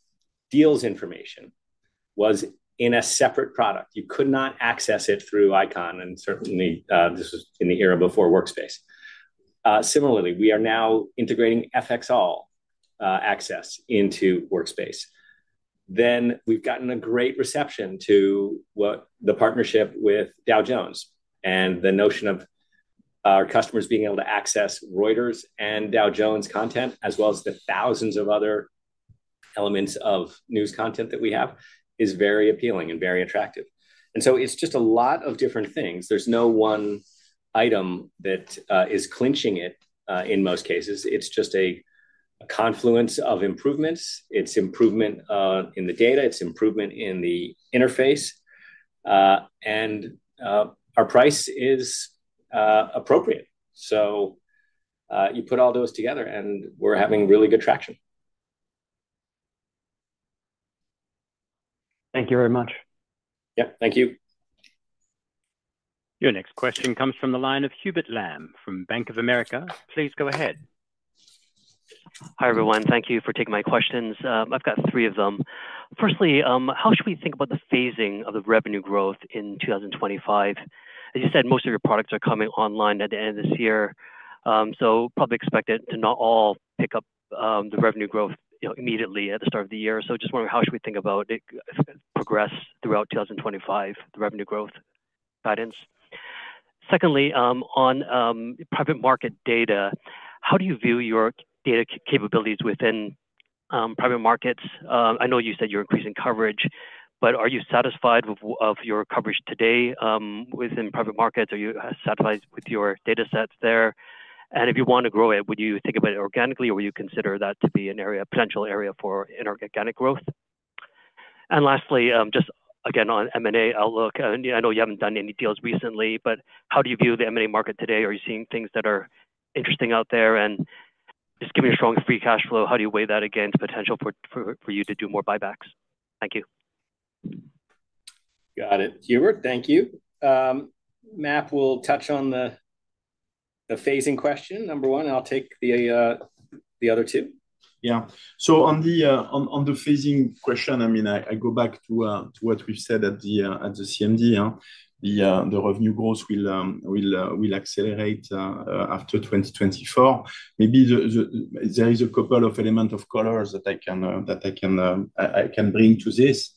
deals information was in a separate product. You could not access it through Eikon, and certainly, this was in the era before Workspace. Similarly, we are now integrating FXall access into Workspace. Then we've gotten a great reception to what the partnership with Dow Jones and the notion of our customers being able to access Reuters and Dow Jones content, as well as the thousands of other elements of news content that we have, is very appealing and very attractive. And so it's just a lot of different things. There's no one item that is clinching it in most cases. It's just a confluence of improvements. It's improvement in the data, it's improvement in the interface, and our price is appropriate. So you put all those together, and we're having really good traction. Thank you very much. Yeah, thank you. Your next question comes from the line of Hubert Lam from Bank of America. Please go ahead. Hi, everyone, thank you for taking my questions. I've got three of them. Firstly, how should we think about the phasing of the revenue growth in 2025? As you said, most of your products are coming online at the end of this year, so probably expect it to not all pick up the revenue growth, you know, immediately at the start of the year. So just wondering, how should we think about its progress throughout 2025, the revenue growth guidance? Secondly, on private market data, how do you view your data capabilities within private markets? I know you said you're increasing coverage, but are you satisfied with your coverage today within private markets? Are you satisfied with your data sets there? If you want to grow it, would you think about it organically, or would you consider that to be an area, potential area for inorganic growth? Lastly, just again on M&A outlook, and I know you haven't done any deals recently, but how do you view the M&A market today? Are you seeing things that are interesting out there? And just giving you strong free cash flow, how do you weigh that against potential for you to do more buybacks? Thank you. Got it, Hubert. Thank you. MAP will touch on the phasing question, number one, and I'll take the other two. Yeah. So on the phasing question, I mean, I go back to what we've said at the CMD, yeah. The revenue growth will accelerate after 2024. Maybe there is a couple of element of colors that I can bring to this.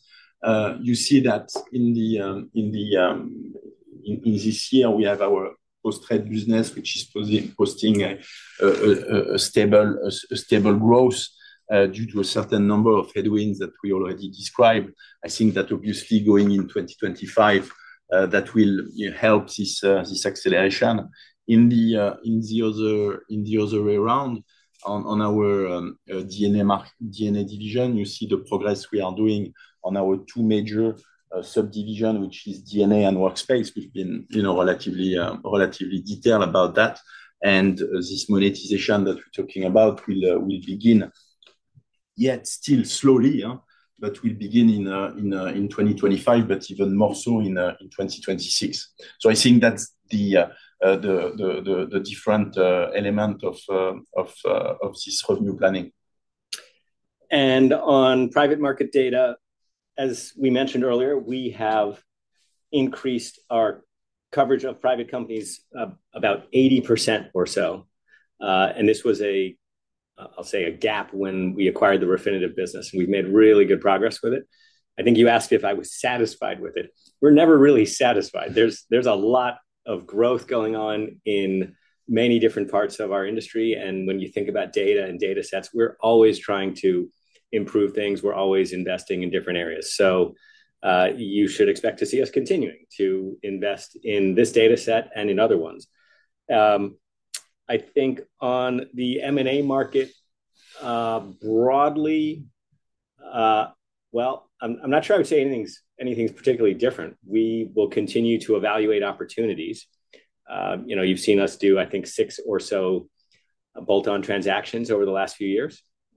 You see that in this year, we have our post-trade business, which is posting a stable growth due to a certain number of headwinds that we already described. I think that obviously going in 2025, that will, you know, help this acceleration. In the other way around, on our DNA division, you see the progress we are doing on our two major subdivision, which is DNA and Workspace. We've been, you know, relatively detailed about that. And this monetization that we're talking about will begin, yet still slowly, but will begin in 2025, but even more so in 2026. So I think that's the different element of this revenue planning. On private market data, as we mentioned earlier, we have increased our coverage of private companies about 80% or so. This was a, I'll say, a gap when we acquired the Refinitiv business, and we've made really good progress with it. I think you asked if I was satisfied with it. We're never really satisfied. There's a lot of growth going on in many different parts of our industry, and when you think about data and data sets, we're always trying to improve things. We're always investing in different areas. So you should expect to see us continuing to invest in this data set and in other ones. I think on the M&A market broadly, well, I'm not sure I would say anything's particularly different. We will continue to evaluate opportunities. You know, you've seen us do, I think, six or so bolt-on transactions over the last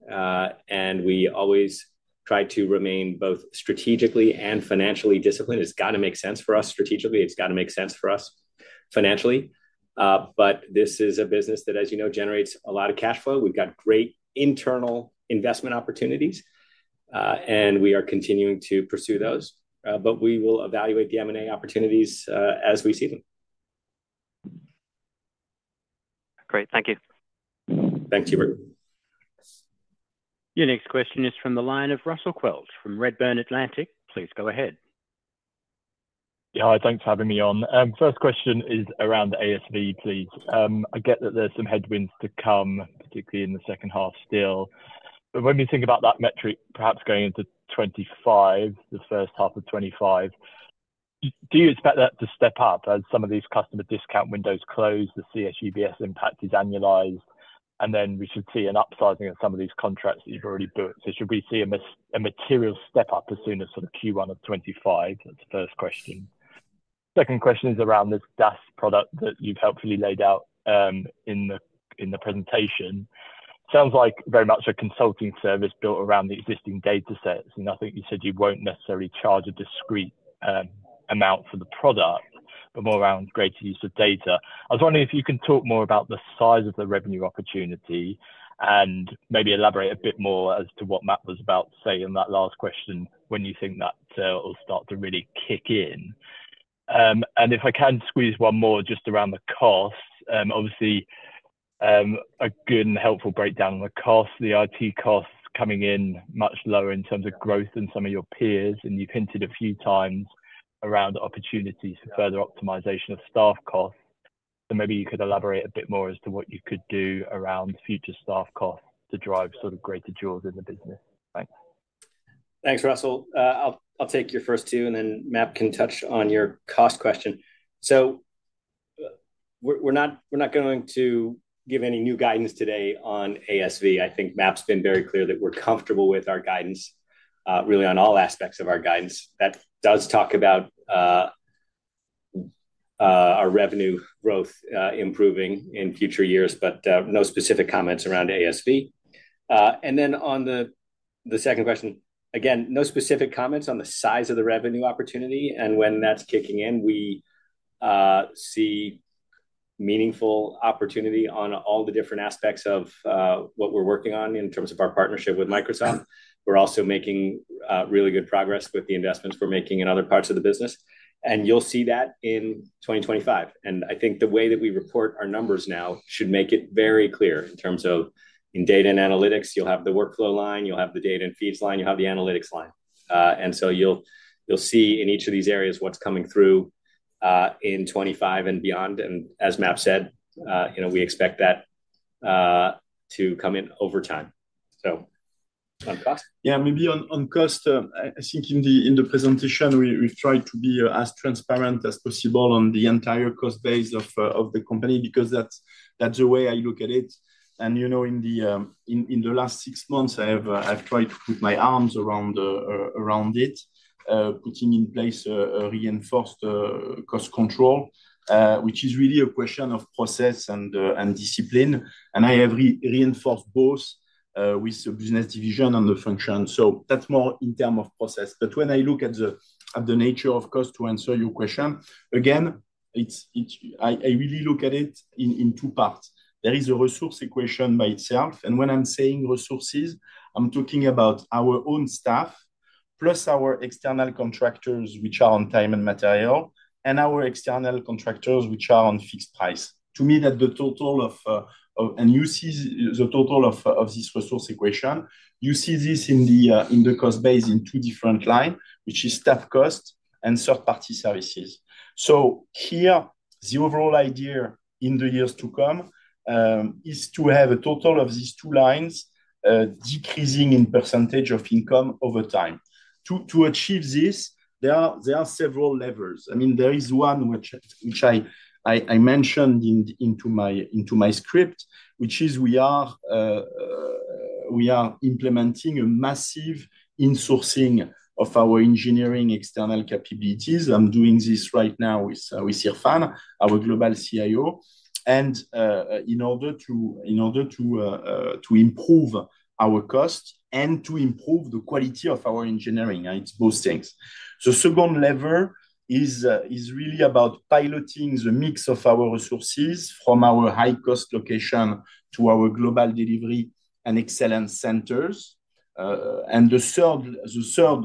few years, and we always try to remain both strategically and financially disciplined. It's got to make sense for us strategically, it's got to make sense for us financially. But this is a business that, as you know, generates a lot of cash flow. We've got great internal investment opportunities, and we are continuing to pursue those. But we will evaluate the M&A opportunities, as we see them.... Great. Thank you. Thanks, Hubert. Your next question is from the line of Russell Quelch from Redburn Atlantic. Please go ahead. Yeah, hi, thanks for having me on. First question is around the ASV, please. I get that there's some headwinds to come, particularly in the second half still, but when we think about that metric, perhaps going into 25, the first half of 25, do you expect that to step up as some of these customer discount windows close, the CS/UBS impact is annualized, and then we should see an upsizing of some of these contracts that you've already booked? So should we see a material step up as soon as sort of Q1 of 25? That's the first question. Second question is around this DaaS product that you've helpfully laid out, in the presentation. Sounds like very much a consulting service built around the existing datasets, and I think you said you won't necessarily charge a discrete amount for the product, but more around greater use of data. I was wondering if you can talk more about the size of the revenue opportunity, and maybe elaborate a bit more as to what Matt was about to say in that last question, when you think that, it'll start to really kick in. And if I can squeeze one more just around the cost, obviously, a good and helpful breakdown on the cost, the IT costs coming in much lower in terms of growth than some of your peers, and you've hinted a few times around the opportunity for further optimization of staff costs. Maybe you could elaborate a bit more as to what you could do around future staff costs to drive sort of greater jewels in the business. Thanks. Thanks, Russell. I'll take your first two, and then Matt can touch on your cost question. So, we're not going to give any new guidance today on ASV. I think Matt's been very clear that we're comfortable with our guidance, really on all aspects of our guidance. That does talk about our revenue growth improving in future years, but no specific comments around ASV. And then on the second question, again, no specific comments on the size of the revenue opportunity, and when that's kicking in. We see meaningful opportunity on all the different aspects of what we're working on in terms of our partnership with Microsoft. We're also making really good progress with the investments we're making in other parts of the business, and you'll see that in 2025. I think the way that we report our numbers now should make it very clear in terms of in data and analytics, you'll have the workflow line, you'll have the data and feeds line, you'll have the analytics line. And so you'll see in each of these areas what's coming through in 2025 and beyond. And as Matt said, you know, we expect that to come in over time. So, on cost? Yeah, maybe on cost, I think in the presentation, we tried to be as transparent as possible on the entire cost base of the company, because that's the way I look at it. And, you know, in the last six months, I've tried to put my arms around it, putting in place a reinforced cost control, which is really a question of process and discipline, and I have re-reinforced both with the business division and the function. So that's more in terms of process. But when I look at the nature, of course, to answer your question, again, it's—I really look at it in two parts. There is a resource equation by itself, and when I'm saying resources, I'm talking about our own staff, plus our external contractors, which are on time and material, and our external contractors, which are on fixed price. To me, that the total of. And you see the total of this resource equation, you see this in the cost base in two different line, which is staff cost and third-party services. So here, the overall idea in the years to come is to have a total of these two lines decreasing in percentage of income over time. To achieve this, there are several levels. I mean, there is one which I mentioned in my script, which is we are implementing a massive insourcing of our engineering external capabilities. I'm doing this right now with Irfan, our global CIO, and in order to improve our cost and to improve the quality of our engineering, it's both things. The second lever is really about piloting the mix of our resources from our high-cost location to our global delivery and excellence centers. And the third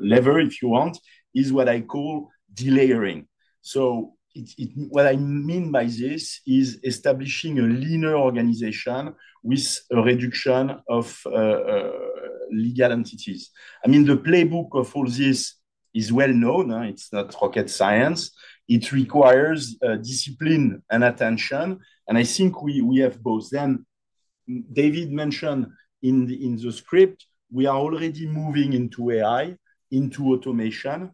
lever, if you want, is what I call delayering. So it-- what I mean by this is establishing a leaner organization with a reduction of legal entities. I mean, the playbook of all this is well known, it's not rocket science. It requires discipline and attention, and I think we have both. Then David mentioned in the script, we are already moving into AI, into automation.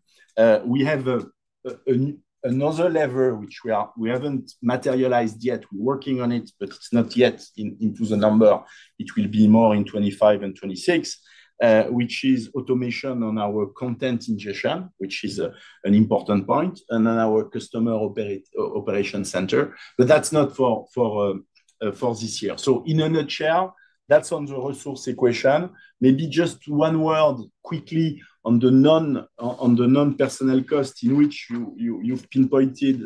We have an another lever, which we haven't materialized yet. We're working on it, but it's not yet in, into the number. It will be more in 2025 and 2026, which is automation on our content ingestion, which is an important point, and then our customer operation center, but that's not for this year. So in a nutshell, that's on the resource equation. Maybe just one word quickly on the non-personnel cost, in which you've pinpointed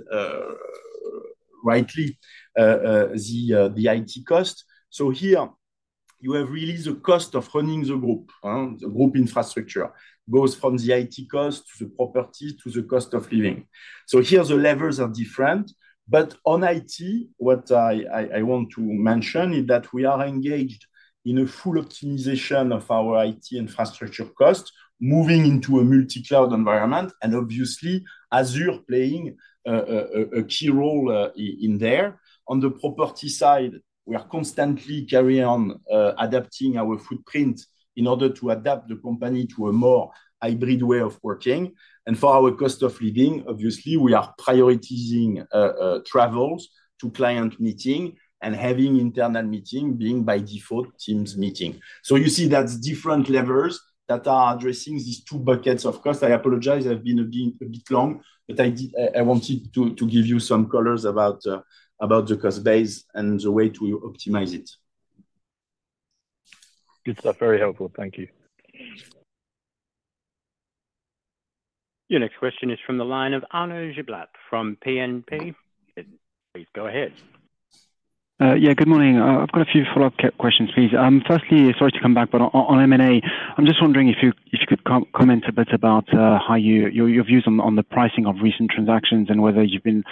rightly, the IT cost. So here you have really the cost of running the group, the group infrastructure. Goes from the IT cost, to the property, to the cost of living. So here the levels are different, but on IT, what I want to mention is that we are engaged in a full optimization of our IT infrastructure cost, moving into a multi-cloud environment, and obviously, Azure playing a key role in there. On the property side, we are constantly carrying on adapting our footprint in order to adapt the company to a more hybrid way of working. And for our cost of living, obviously, we are prioritizing travels to client meeting, and having internal meeting being, by default, Teams meeting. So you see, that's different levels that are addressing these two buckets. Of course, I apologize, I've been a bit long, but I did. I wanted to give you some colors about the cost base and the way to optimize it. Good stuff. Very helpful. Thank you. Your next question is from the line of Arnaud Giblat from BNP Paribas Exane. Please, go ahead. Yeah, good morning. I've got a few follow-up questions, please. Firstly, sorry to come back, but on M&A, I'm just wondering if you could comment a bit about how your views on the pricing of recent transactions, and whether you've been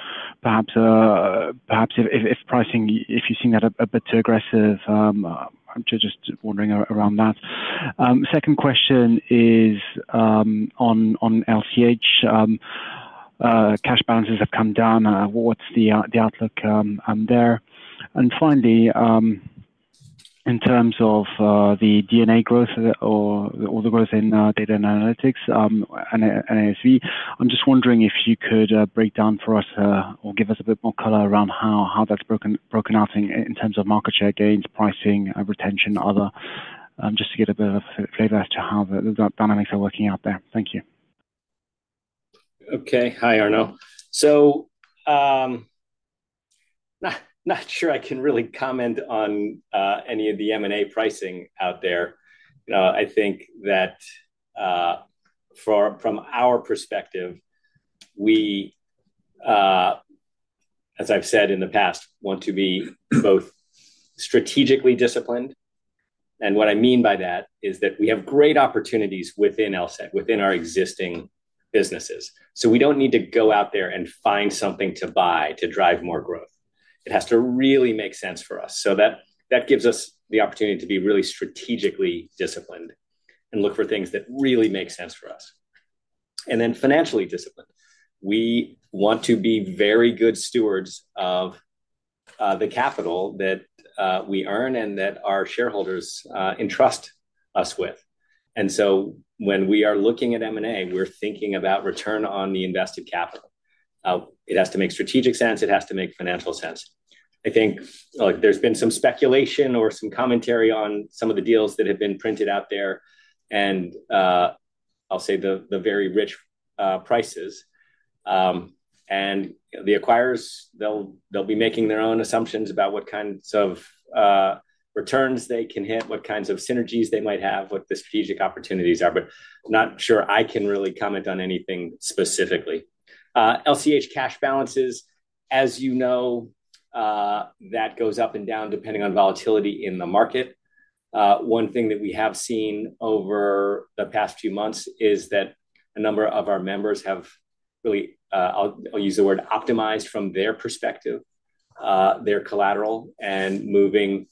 perhaps if you're seeing that a bit too aggressive. I'm just wondering around that. Second question is on LCH, cash balances have come down. What's the outlook there? And finally, in terms of the DNA growth or the growth in data and analytics, and ASV, I'm just wondering if you could break down for us or give us a bit more color around how that's broken out in terms of market share gains, pricing, retention, other, just to get a bit of flavor as to how the dynamics are working out there. Thank you. Okay. Hi, Arnaud. So, not sure I can really comment on any of the M&A pricing out there. You know, I think that, from our perspective, we, as I've said in the past, want to be both strategically disciplined, and what I mean by that is that we have great opportunities within LSEG, within our existing businesses, so we don't need to go out there and find something to buy to drive more growth. It has to really make sense for us. So that gives us the opportunity to be really strategically disciplined, and look for things that really make sense for us. And then financially disciplined. We want to be very good stewards of the capital that we earn and that our shareholders entrust us with. And so when we are looking at M&A, we're thinking about return on the invested capital. It has to make strategic sense, it has to make financial sense. I think, look, there's been some speculation or some commentary on some of the deals that have been printed out there, and, I'll say the, the very rich, prices. And the acquirers, they'll, they'll be making their own assumptions about what kinds of, returns they can hit, what kinds of synergies they might have, what the strategic opportunities are, but not sure I can really comment on anything specifically. LCH cash balances, as you know, that goes up and down, depending on volatility in the market. One thing that we have seen over the past few months is that a number of our members have really, I'll, I'll use the word optimized from their perspective, their collateral, and moving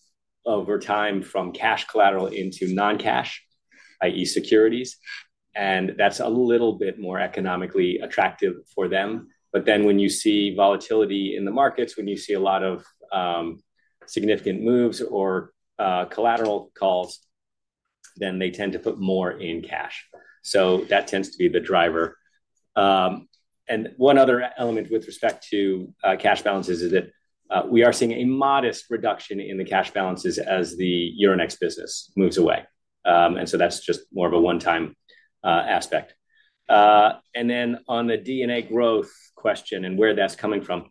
over time from cash collateral into non-cash, i.e., securities, and that's a little bit more economically attractive for them. But then when you see volatility in the markets, when you see a lot of, significant moves or, collateral calls, then they tend to put more in cash. So that tends to be the driver. And one other element with respect to, cash balances is that, we are seeing a modest reduction in the cash balances as the Euronext business moves away. And so that's just more of a one-time, aspect. And then on the DNA growth question and where that's coming from,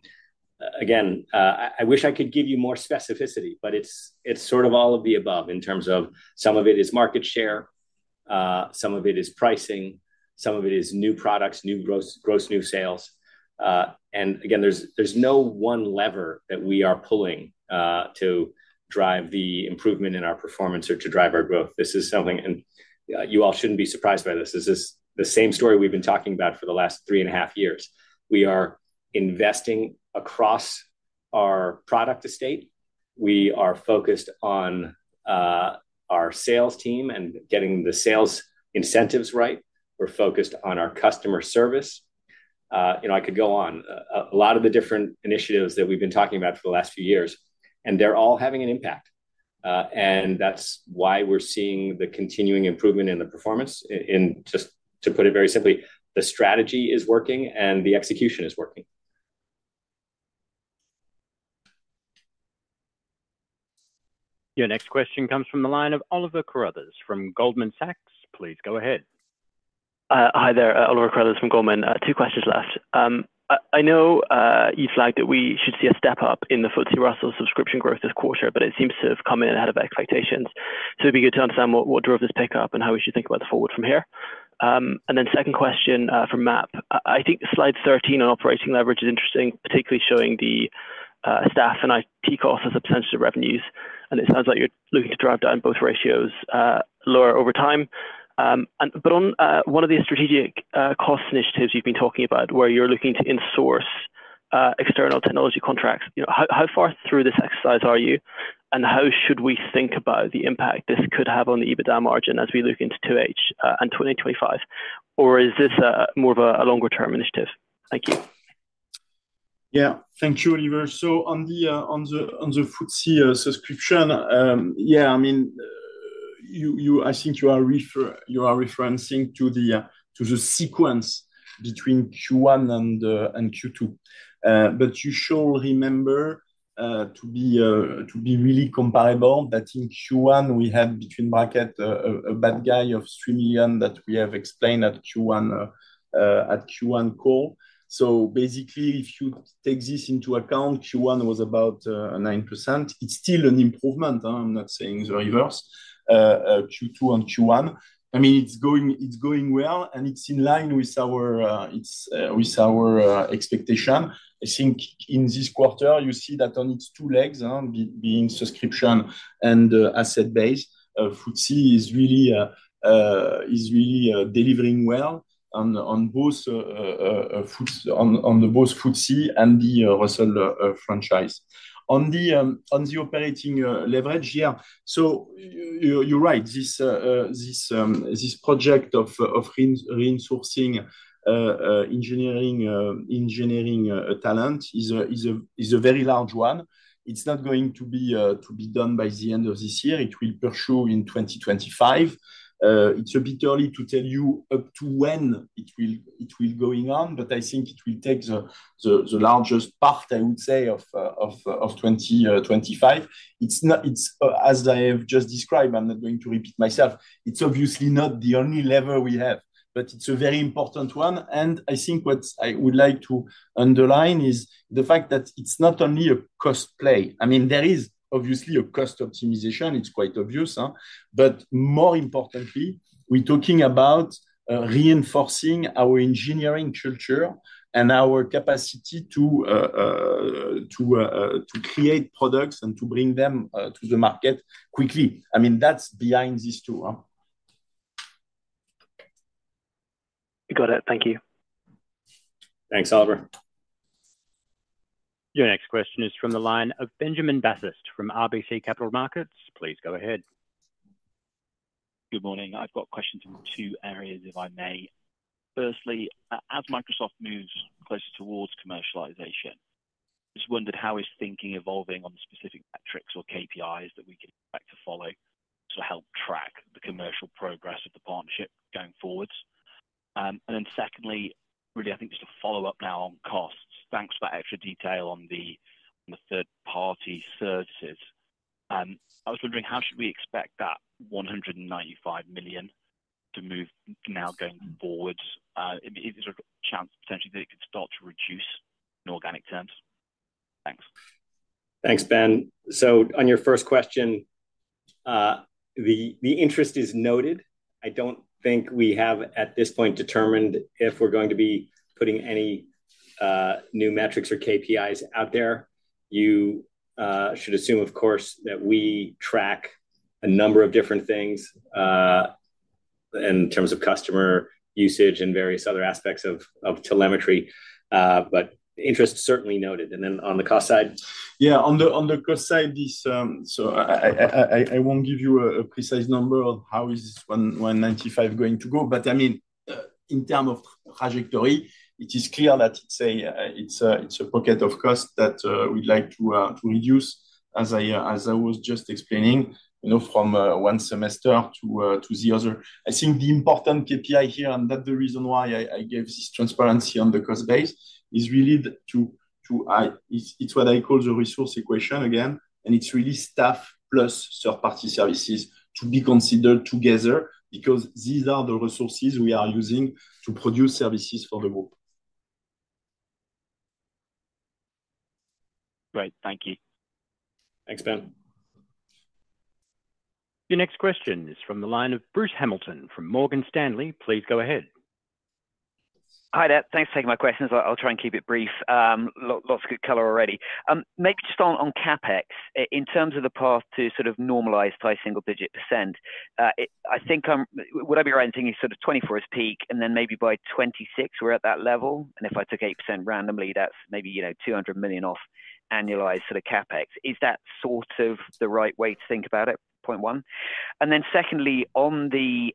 again, I, I wish I could give you more specificity, but it's, it's sort of all of the above in terms of some of it is market share, some of it is pricing, some of it is new products, new gross- gross new sales. And again, there's, there's no one lever that we are pulling, to drive the improvement in our performance or to drive our growth. This is something... And you all shouldn't be surprised by this. This is the same story we've been talking about for the last three and a half years. We are investing across our product estate. We are focused on, our sales team and getting the sales incentives right. We're focused on our customer service. You know, I could go on. A lot of the different initiatives that we've been talking about for the last few years, and they're all having an impact. And that's why we're seeing the continuing improvement in the performance. Just to put it very simply, the strategy is working and the execution is working. Your next question comes from the line of Oliver Carruthers from Goldman Sachs. Please, go ahead. Hi there, Oliver Carruthers from Goldman. Two questions left. I know you flagged that we should see a step up in the FTSE Russell subscription growth this quarter, but it seems to have come in ahead of expectations. So it'd be good to understand what, what drove this pickup and how we should think about the forward from here? And then second question from Matt. I think slide 13 on operating leverage is interesting, particularly showing the staff and IT cost as a potential revenues. And it sounds like you're looking to drive down both ratios lower over time. And but on one of the strategic cost initiatives you've been talking about, where you're looking to insource external technology contracts, you know, how, how far through this exercise are you? How should we think about the impact this could have on the EBITDA margin as we look into 2H and 2025? Or is this more of a longer-term initiative? Thank you. Yeah. Thank you, Oliver. So on the FTSE subscription, yeah, I mean, you-- I think you are referencing to the sequence between Q1 and Q2. But you should remember to be really comparable, that in Q1 we had, in brackets, a bad guy of 3 million that we have explained at Q1 call. So basically, if you take this into account, Q1 was about 9%. It's still an improvement, I'm not saying the reverse, Q2 on Q1. I mean, it's going well, and it's in line with our expectation. I think in this quarter, you see that on its two legs, being subscription and asset base, FTSE is really delivering well on both, on the both FTSE and the Russell franchise. On the operating leverage, yeah, so you, you're right. This this project of resourcing engineering talent is a very large one. It's not going to be done by the end of this year. It will pursue in 2025. It's a bit early to tell you up to when it will going on, but I think it will take the largest part, I would say, of 2025. It's, as I have just described, I'm not going to repeat myself. It's obviously not the only lever we have, but it's a very important one. And I think what I would like to underline is the fact that it's not only a cost play. I mean, there is obviously a cost optimization, it's quite obvious, huh? But more importantly, we're talking about reinforcing our engineering culture and our capacity to create products and to bring them to the market quickly. I mean, that's behind this tool, huh. Got it. Thank you. Thanks, Oliver. Your next question is from the line of Ben Bathurst from RBC Capital Markets. Please go ahead. Good morning. I've got questions in two areas, if I may. Firstly, as Microsoft moves closer towards commercialization, just wondered how is thinking evolving on the specific metrics or KPIs that we could expect to follow to help track the commercial progress of the partnership going forwards? And then secondly, really, I think just to follow up now on costs. Thanks for that extra detail on the third-party services. I was wondering, how should we expect that 195 million to move now going forwards? Is there a chance, potentially, that it could start to reduce in organic terms? Thanks. Thanks, Ben. So on your first question, the interest is noted. I don't think we have, at this point, determined if we're going to be putting any new metrics or KPIs out there. You should assume, of course, that we track a number of different things in terms of customer usage and various other aspects of telemetry, but interest certainly noted. And then on the cost side? Yeah, on the, on the cost side, this, so I won't give you a precise number on how is 195 going to go, but I mean, in term of trajectory, it is clear that it's a pocket of cost that we'd like to reduce, as I was just explaining, you know, from one semester to the other. I think the important KPI here, and that's the reason why I gave this transparency on the cost base, is really to... It's what I call the resource equation again, and it's really staff plus third-party services to be considered together, because these are the resources we are using to produce services for the group. Great. Thank you. Thanks, Ben. Your next question is from the line of Bruce Hamilton from Morgan Stanley. Please go ahead. Hi there. Thanks for taking my questions. I'll try and keep it brief. Lots of good color already. Maybe just on, on CapEx, in terms of the path to sort of normalize to a single-digit %. I think what I'd be around thinking is sort of 2024 is peak, and then maybe by 2026, we're at that level. And if I took 8% randomly, that's maybe, you know, 200 million off annualized sort of CapEx. Is that sort of the right way to think about it, point one? And then secondly, on the,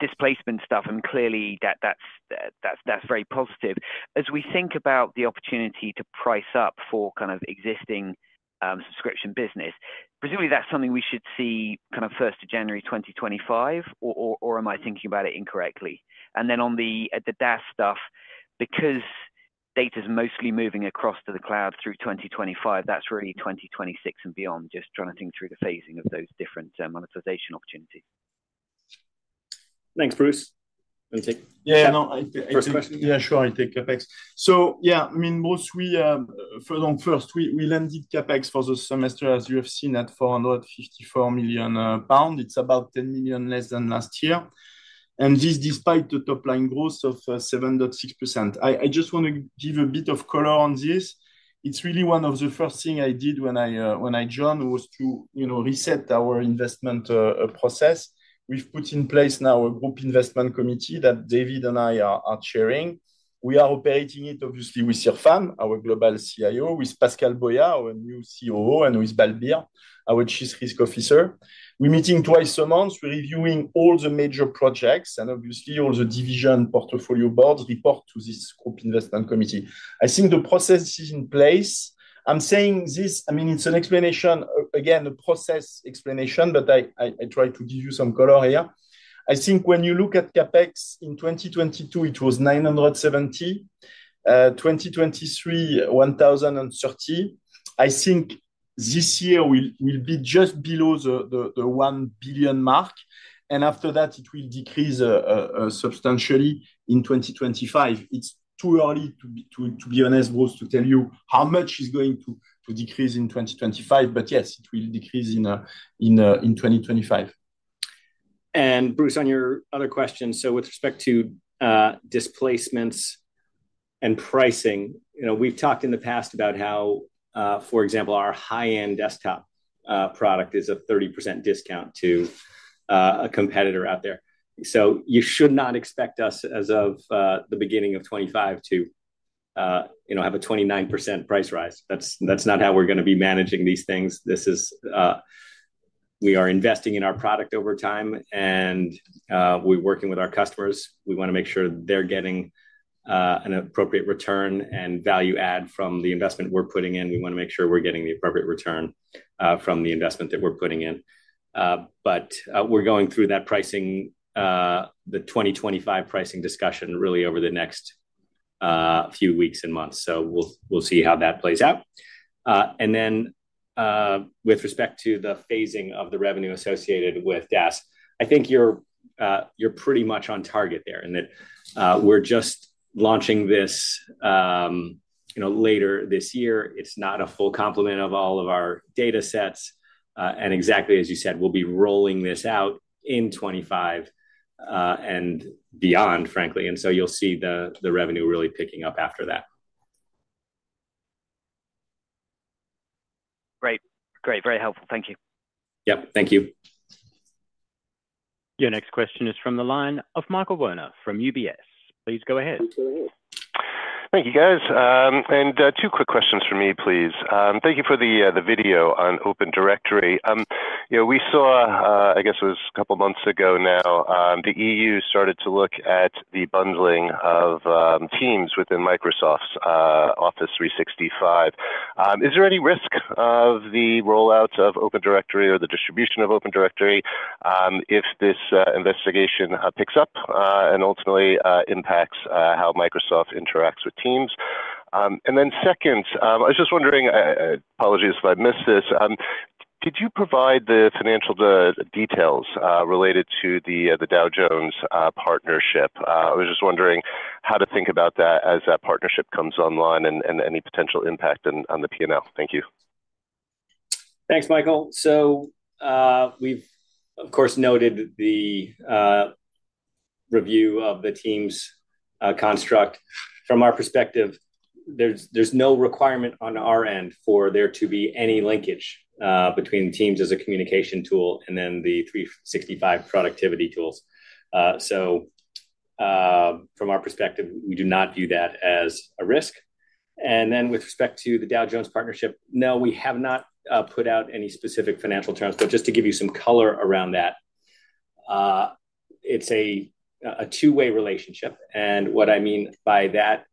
displacement stuff, and clearly that's very positive. As we think about the opportunity to price up for kind of existing subscription business, presumably that's something we should see kind of first of January 2025, or am I thinking about it incorrectly? And then on the DaaS stuff, because data is mostly moving across to the cloud through 2025, that's really 2026 and beyond, just trying to think through the phasing of those different monetization opportunities. Thanks, Bruce.... Yeah, no, yeah, sure, I'll take CapEx. So yeah, I mean, Bruce, we for the first, we landed CapEx for the semester, as you have seen, at 454 million pounds. It's about 10 million less than last year, and this despite the top line growth of 7.6%. I just want to give a bit of color on this. It's really one of the first thing I did when I joined, was to, you know, reset our investment process. We've put in place now a group investment committee that David and I are chairing. We are operating it obviously with Irfan, our Global CIO, with Pascal Boillat, our new COO, and with Balbir, our Chief Risk Officer. We're meeting twice a month. We're reviewing all the major projects and obviously all the division portfolio boards report to this group investment committee. I think the process is in place. I'm saying this, I mean, it's an explanation, again, a process explanation, but I try to give you some color here. I think when you look at CapEx in 2022, it was 970 million, 2023, 1,030 million. I think this year will be just below the 1 billion mark, and after that, it will decrease substantially in 2025. It's too early to be honest to tell you how much is going to decrease in 2025, but yes, it will decrease in 2025. And Bruce, on your other question, so with respect to displacements and pricing, you know, we've talked in the past about how, for example, our high-end desktop product is a 30% discount to a competitor out there. So you should not expect us, as of the beginning of 2025, you know, to have a 29% price rise. That's not how we're gonna be managing these things. This is. We are investing in our product over time, and we're working with our customers. We wanna make sure they're getting an appropriate return and value add from the investment we're putting in. We wanna make sure we're getting the appropriate return from the investment that we're putting in. But we're going through that pricing, the 2025 pricing discussion, really, over the next few weeks and months. So we'll see how that plays out. And then, with respect to the phasing of the revenue associated with DaaS, I think you're pretty much on target there, and that we're just launching this, you know, later this year. It's not a full complement of all of our datasets, and exactly as you said, we'll be rolling this out in 2025, and beyond, frankly, and so you'll see the revenue really picking up after that. Great. Great. Very helpful. Thank you. Yep, thank you. Your next question is from the line of Michael Werner from UBS. Please go ahead. Thank you, guys. Two quick questions for me, please. Thank you for the video on Open Directory. You know, we saw, I guess it was a couple of months ago now, the EU started to look at the bundling of Teams within Microsoft's Office 365. Is there any risk of the rollouts of Open Directory or the distribution of Open Directory, if this investigation picks up, and ultimately impacts how Microsoft interacts with Teams? And then second, I was just wondering, apologies if I missed this, could you provide the financial details related to the Dow Jones partnership? I was just wondering how to think about that as that partnership comes online and any potential impact on the P&L. Thank you. Thanks, Michael. So, we've of course noted the review of the team's construct. From our perspective, there's no requirement on our end for there to be any linkage between Teams as a communication tool and then the 365 productivity tools. So, from our perspective, we do not view that as a risk. And then with respect to the Dow Jones partnership, no, we have not put out any specific financial terms. But just to give you some color around that, it's a two-way relationship, and what I mean by that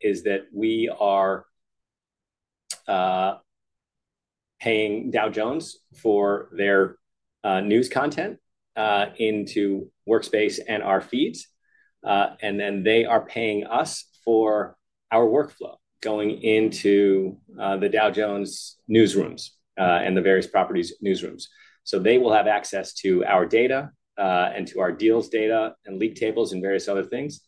is that we are paying Dow Jones for their news content into Workspace and our feeds, and then they are paying us for our workflow going into the Dow Jones newsrooms and the various properties newsrooms. So they will have access to our data, and to our deals data and league tables and various other things,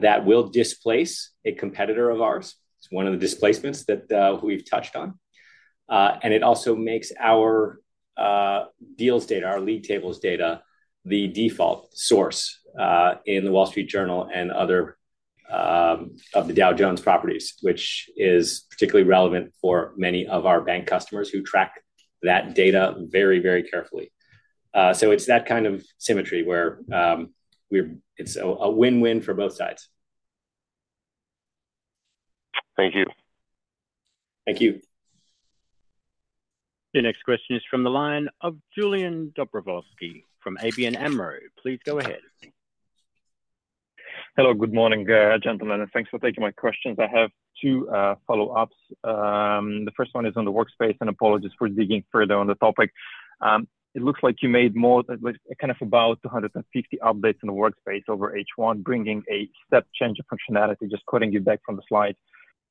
that will displace a competitor of ours. It's one of the displacements that, we've touched on. And it also makes our, deals data, our league tables data, the default source, in The Wall Street Journal and other, of the Dow Jones properties, which is particularly relevant for many of our bank customers who track that data very, very carefully. So it's that kind of symmetry where, it's a, a win-win for both sides. Thank you. Thank you. The next question is from the line of Iulian Dobrovolschi from ABN AMRO. Please go ahead. Hello, good morning, gentlemen, and thanks for taking my questions. I have two follow-ups. The first one is on the Workspace, and apologies for digging further on the topic. It looks like you made more, kind of about 250 updates in the Workspace over H1, bringing a step change of functionality, just quoting you back from the slide....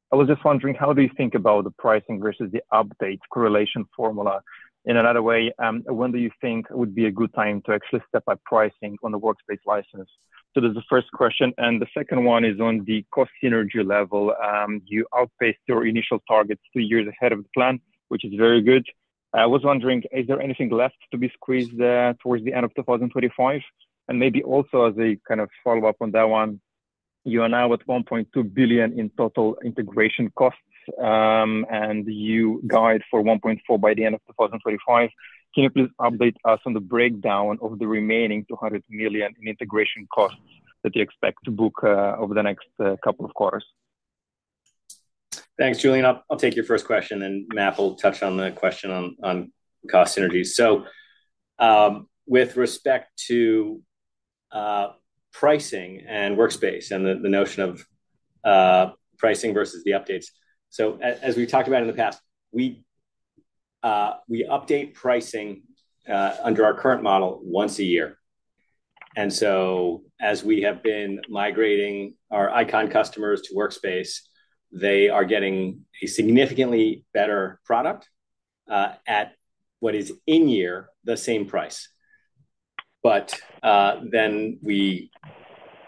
I was just wondering, how do you think about the pricing versus the update correlation formula? In another way, when do you think would be a good time to actually step up pricing on the Workspace license? So that's the first question, and the second one is on the cost synergy level. You outpaced your initial targets two years ahead of plan, which is very good. I was wondering, is there anything left to be squeezed towards the end of 2025? And maybe also as a kind of follow-up on that one, you are now at 1.2 billion in total integration costs, and you guide for 1.4 billion by the end of 2025. Can you please update us on the breakdown of the remaining 200 million in integration costs that you expect to book over the next couple of quarters? Thanks, Julian. I'll, I'll take your first question, and then MAP will touch on the question on cost synergies. So, with respect to pricing and Workspace and the notion of pricing versus the updates. As we've talked about in the past, we update pricing under our current model once a year. And so as we have been migrating our Eikon customers to Workspace, they are getting a significantly better product at what is, in year, the same price. But then we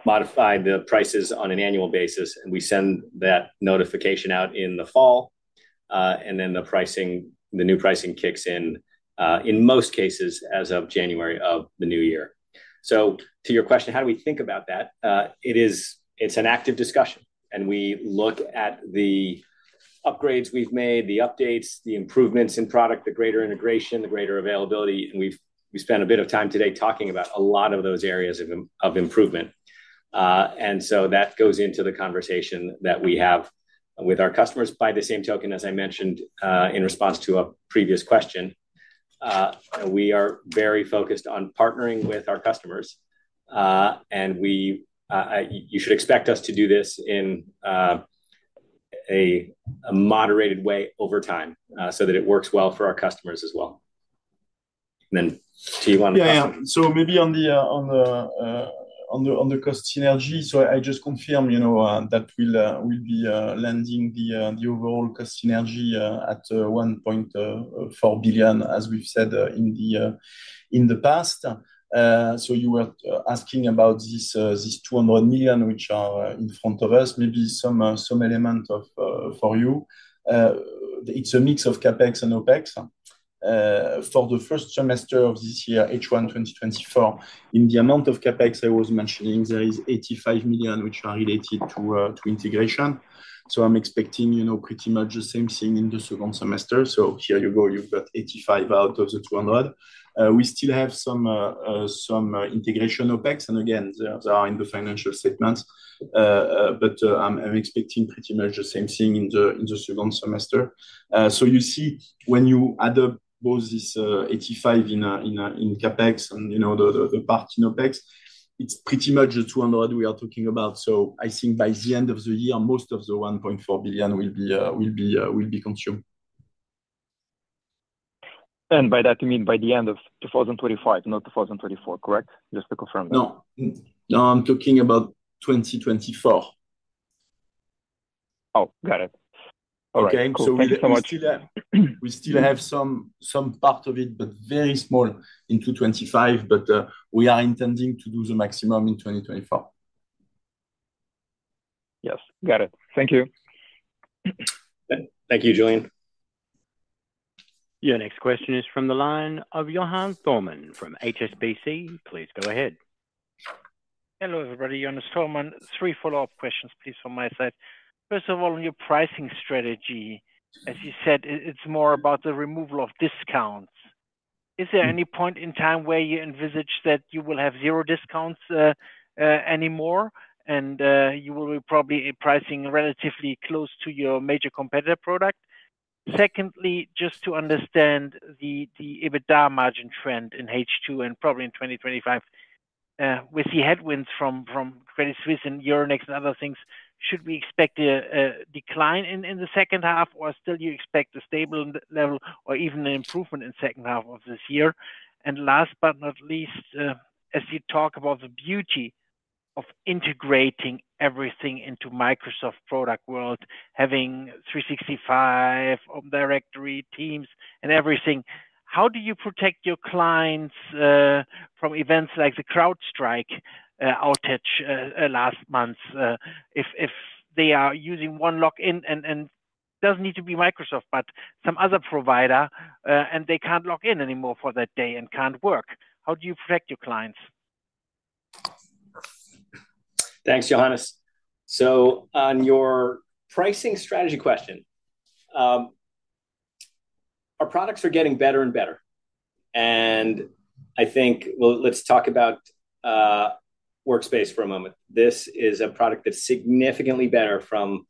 modify the prices on an annual basis, and we send that notification out in the fall. And then the pricing, the new pricing kicks in, in most cases, as of January of the new year. So to your question, how do we think about that? It's an active discussion, and we look at the upgrades we've made, the updates, the improvements in product, the greater integration, the greater availability, and we've spent a bit of time today talking about a lot of those areas of improvement. And so that goes into the conversation that we have with our customers. By the same token, as I mentioned, in response to a previous question, we are very focused on partnering with our customers. And we, you should expect us to do this in a moderated way over time, so that it works well for our customers as well. And then, do you want to- Yeah, yeah. So maybe on the cost synergy, so I just confirm, you know, that we'll be landing the overall cost synergy at 1.4 billion, as we've said in the past. So you were asking about this 200 million, which are in front of us, maybe some element of for you. It's a mix of CapEx and OpEx. For the first semester of this year, H1 2024, in the amount of CapEx I was mentioning, there is 85 million which are related to integration. So I'm expecting, you know, pretty much the same thing in the second semester. So here you go, you've got 85 out of the 200. We still have some integration OpEx, and again, they are in the financial statements. But I'm expecting pretty much the same thing in the second semester. So you see, when you add up both this 85 in CapEx and, you know, the part in OpEx, it's pretty much the 200 we are talking about. So I think by the end of the year, most of the 1.4 billion will be consumed. And by that you mean by the end of 2025, not 2024, correct? Just to confirm. No. No, I'm talking about 2024. Oh, got it. Okay? All right. Cool. Thank you so much. We still have some part of it, but very small in 2025, but we are intending to do the maximum in 2024. Yes, got it. Thank you. Thank you, Julian. Your next question is from the line of Johannes Thormann from HSBC. Please go ahead. Hello, everybody. Johannes Thormann. Three follow-up questions, please, from my side. First of all, on your pricing strategy, as you said, it's more about the removal of discounts. Is there any point in time where you envisage that you will have zero discounts anymore, and you will be probably pricing relatively close to your major competitor product? Secondly, just to understand the EBITDA margin trend in H2 and probably in 2025, with the headwinds from Credit Suisse and Euronext and other things, should we expect a decline in the second half, or still you expect a stable level or even an improvement in second half of this year? Last but not least, as you talk about the beauty of integrating everything into Microsoft product world, having 365 directory teams and everything, how do you protect your clients from events like the CrowdStrike outage last month? If they are using one login, and it doesn't need to be Microsoft, but some other provider, and they can't log in anymore for that day and can't work, how do you protect your clients? Thanks, Johannes. So on your pricing strategy question, our products are getting better and better, and I think... Well, let's talk about Workspace for a moment. This is a product that's significantly better from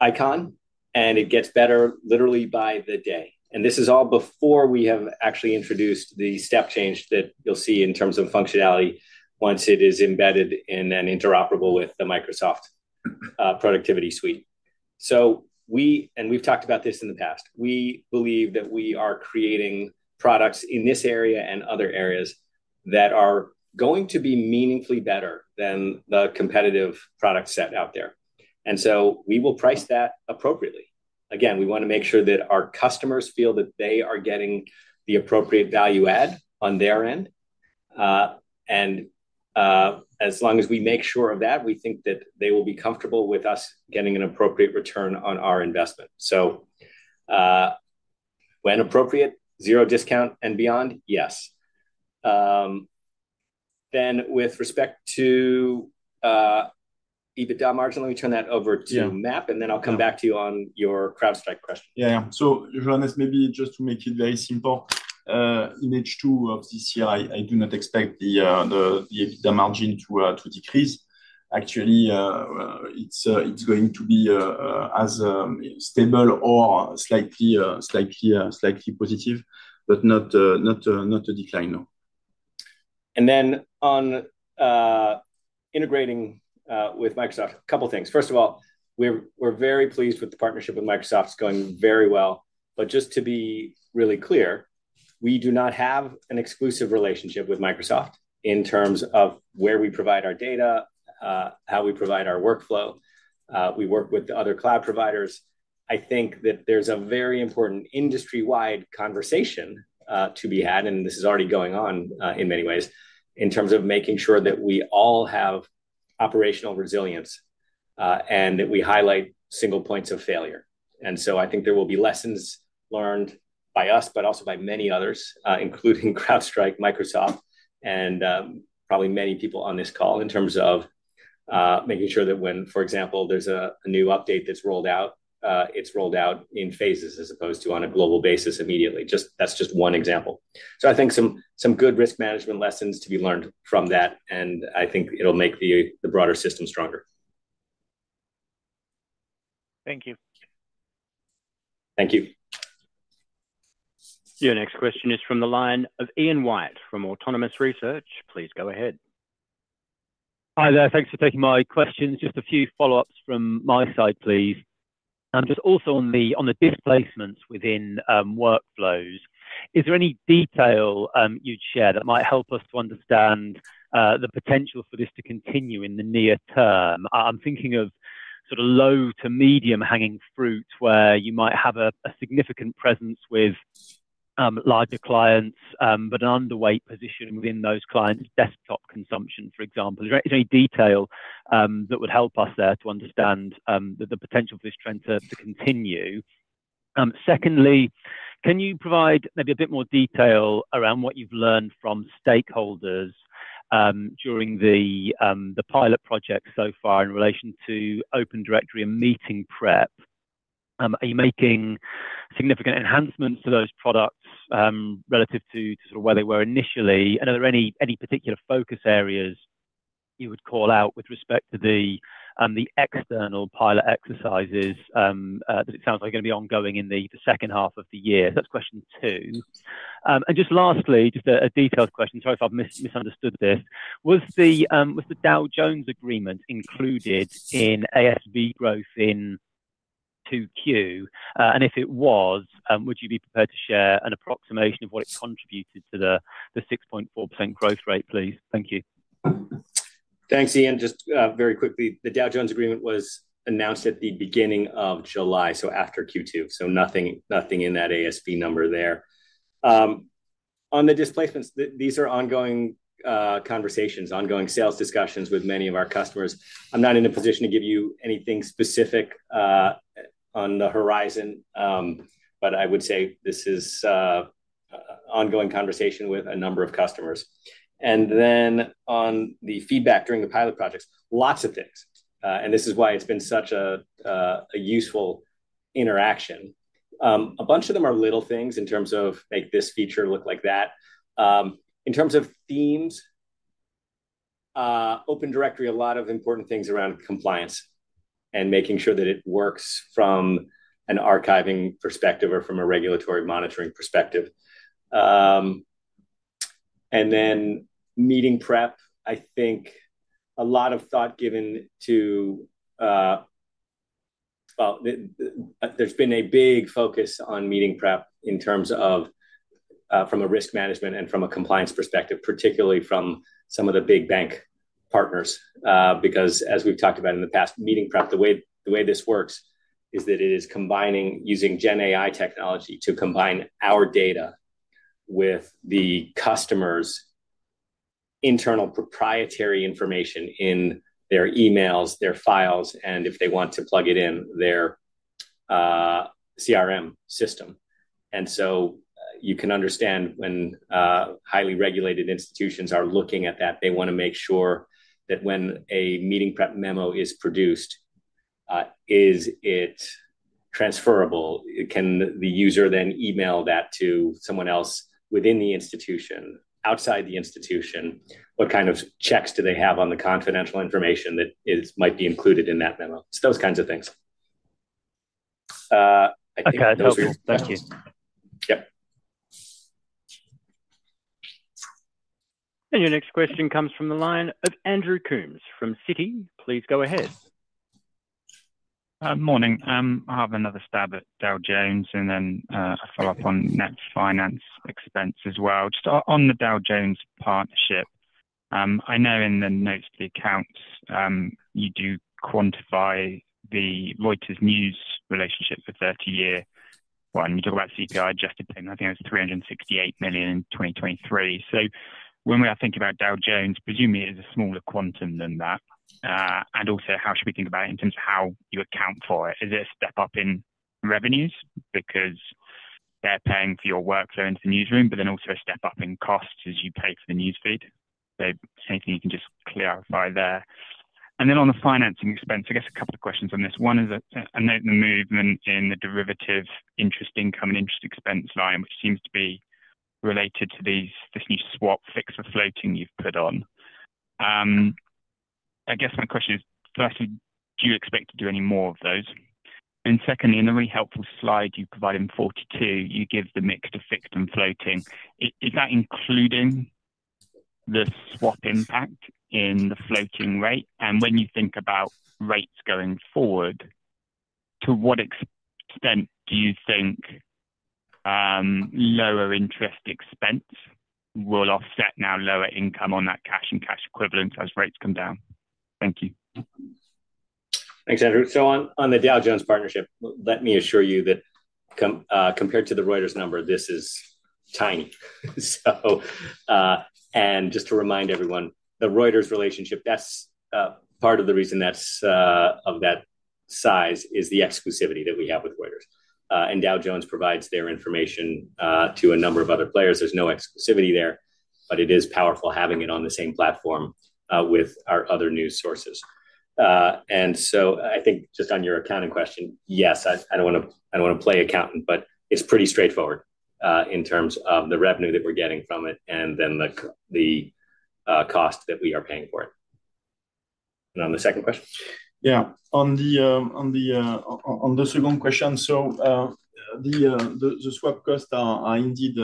Eikon, and it gets better literally by the day. And this is all before we have actually introduced the step change that you'll see in terms of functionality once it is embedded in and interoperable with the Microsoft productivity suite. So we, and we've talked about this in the past, we believe that we are creating products in this area and other areas that are going to be meaningfully better than the competitive product set out there. And so we will price that appropriately. Again, we wanna make sure that our customers feel that they are getting the appropriate value add on their end. And, as long as we make sure of that, we think that they will be comfortable with us getting an appropriate return on our investment. So, when appropriate, zero discount and beyond, yes. Then with respect to EBITDA margin, let me turn that over to- Yeah MAP, and then I'll come back to you on your CrowdStrike question. Yeah, yeah. So Johannes, maybe just to make it very simple, in H2 of this year, I do not expect the margin to decrease. Actually, it's going to be as stable or slightly positive, but not a decline, no. And then on integrating with Microsoft, a couple things. First of all, we're, we're very pleased with the partnership with Microsoft. It's going very well. But just to be really clear, we do not have an exclusive relationship with Microsoft in terms of where we provide our data, how we provide our workflow. We work with other cloud providers. I think that there's a very important industry-wide conversation to be had, and this is already going on in many ways, in terms of making sure that we all have operational resilience, and that we highlight single points of failure. And so I think there will be lessons learned by us, but also by many others, including CrowdStrike, Microsoft, and probably many people on this call in terms of making sure that when, for example, there's a new update that's rolled out, it's rolled out in phases as opposed to on a global basis immediately. Just. That's just one example. So I think some good risk management lessons to be learned from that, and I think it'll make the broader system stronger. Thank you. Thank you. Your next question is from the line of Ian White from Autonomous Research. Please go ahead. Hi there. Thanks for taking my questions. Just a few follow-ups from my side, please. Just also on the, on the displacements within, workflows, is there any detail, you'd share that might help us to understand, the potential for this to continue in the near term? I'm thinking of sort of low to medium hanging fruit, where you might have a significant presence with, larger clients, but an underweight position within those clients' desktop consumption, for example. Is there any detail, that would help us there to understand, the potential for this trend to continue? Secondly, can you provide maybe a bit more detail around what you've learned from stakeholders, during the pilot project so far in relation to Open Directory and Meeting Prep? Are you making significant enhancements to those products relative to sort of where they were initially? And are there any particular focus areas you would call out with respect to the external pilot exercises that it sounds like are gonna be ongoing in the second half of the year? So that's question two. And just lastly, just a detailed question, sorry if I've misunderstood this: Was the Dow Jones agreement included in ASV growth in 2Q? And if it was, would you be prepared to share an approximation of what it contributed to the 6.4% growth rate, please? Thank you. Thanks, Ian. Just very quickly, the Dow Jones agreement was announced at the beginning of July, so after Q2, so nothing, nothing in that ASV number there. On the displacements, these are ongoing conversations, ongoing sales discussions with many of our customers. I'm not in a position to give you anything specific on the horizon, but I would say this is ongoing conversation with a number of customers. And then on the feedback during the pilot projects, lots of things. And this is why it's been such a useful interaction. A bunch of them are little things in terms of make this feature look like that. In terms of themes, Open Directory, a lot of important things around compliance and making sure that it works from an archiving perspective or from a regulatory monitoring perspective. And then Meeting Prep, I think a lot of thought given to. Well, there's been a big focus on Meeting Prep in terms of from a risk management and from a compliance perspective, particularly from some of the big bank partners. Because as we've talked about in the past, Meeting Prep, the way this works is that it is combining using gen AI technology to combine our data with the customer's internal proprietary information in their emails, their files, and if they want to plug it in, their CRM system. And so, you can understand when highly regulated institutions are looking at that, they wanna make sure that when a Meeting Prep memo is produced, is it transferable? Can the user then email that to someone else within the institution, outside the institution? What kind of checks do they have on the confidential information that might be included in that memo? It's those kinds of things. I think those are- Okay, thank you. Yep. Your next question comes from the line of Andrew Coombs from Citi. Please go ahead.... Morning. I'll have another stab at Dow Jones, and then follow up on net finance expense as well. Just on the Dow Jones partnership, I know in the notes to the accounts, you do quantify the Reuters news relationship for 30-year. When you talk about CPI-adjusted, I think it's 368 million in 2023. So when we are thinking about Dow Jones, presumably it is a smaller quantum than that. And also, how should we think about it in terms of how you account for it? Is it a step up in revenues because they're paying for your workflow into the newsroom, but then also a step up in costs as you pay for the news feed? So anything you can just clarify there. And then on the financing expense, I guess a couple of questions on this. One is that I note the movement in the derivative interest income and interest expense line, which seems to be related to these, this new swap, fixed or floating, you've put on. I guess my question is, firstly, do you expect to do any more of those? And secondly, in the really helpful slide you provide in 42, you give the mix to fixed and floating. Is, is that including the swap impact in the floating rate? And when you think about rates going forward, to what extent do you think, lower interest expense will offset now lower income on that cash and cash equivalents as rates come down? Thank you. Thanks, Andrew. So on the Dow Jones partnership, let me assure you that compared to the Reuters number, this is tiny. So, and just to remind everyone, the Reuters relationship, that's part of the reason that's of that size, is the exclusivity that we have with Reuters. And Dow Jones provides their information to a number of other players. There's no exclusivity there, but it is powerful having it on the same platform with our other news sources. And so I think just on your accounting question, yes, I don't wanna, I don't wanna play accountant, but it's pretty straightforward in terms of the revenue that we're getting from it and then the cost that we are paying for it. And on the second question? Yeah, on the second question. So, the swap cost are indeed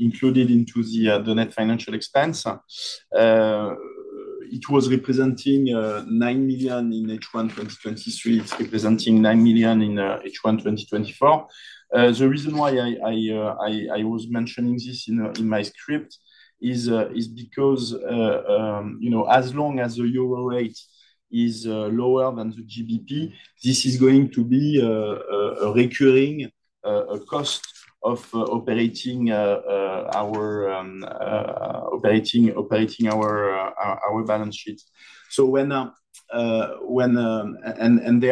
included into the net financial expense. It was representing 9 million in H1 2023. It's representing 9 million in H1 2024. The reason why I was mentioning this in my script is because, you know, as long as the euro rate is lower than the GBP, this is going to be a recurring cost of operating our balance sheet. And they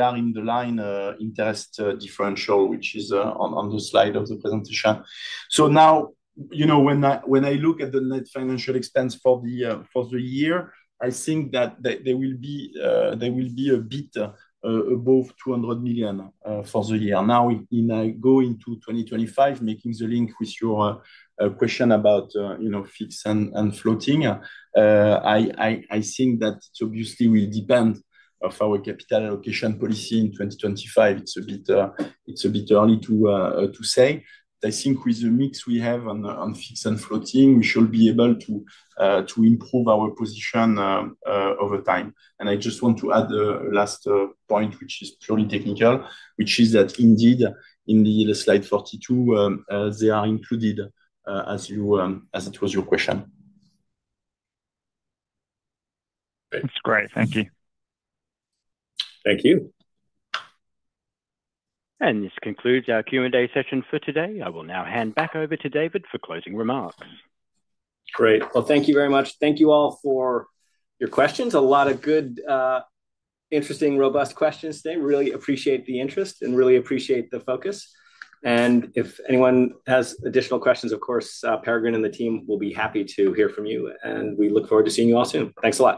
are in the line interest differential, which is on the slide of the presentation. So now, you know, when I, when I look at the net financial expense for the, for the year, I think that they, they will be, they will be a bit above 200 million for the year. Now, in going to 2025, making the link with your question about, you know, fixed and, and floating, I, I, I think that obviously will depend of our capital allocation policy in 2025. It's a bit, it's a bit early to, to say. I think with the mix we have on, on fixed and floating, we should be able to, to improve our position over time. I just want to add a last point, which is purely technical, which is that indeed, in the slide 42, they are included, as you, as it was your question. That's great. Thank you. Thank you. This concludes our Q&A session for today. I will now hand back over to David for closing remarks. Great. Well, thank you very much. Thank you all for your questions. A lot of good, interesting, robust questions today. Really appreciate the interest and really appreciate the focus. And if anyone has additional questions, of course, Peregrine and the team will be happy to hear from you, and we look forward to seeing you all soon. Thanks a lot.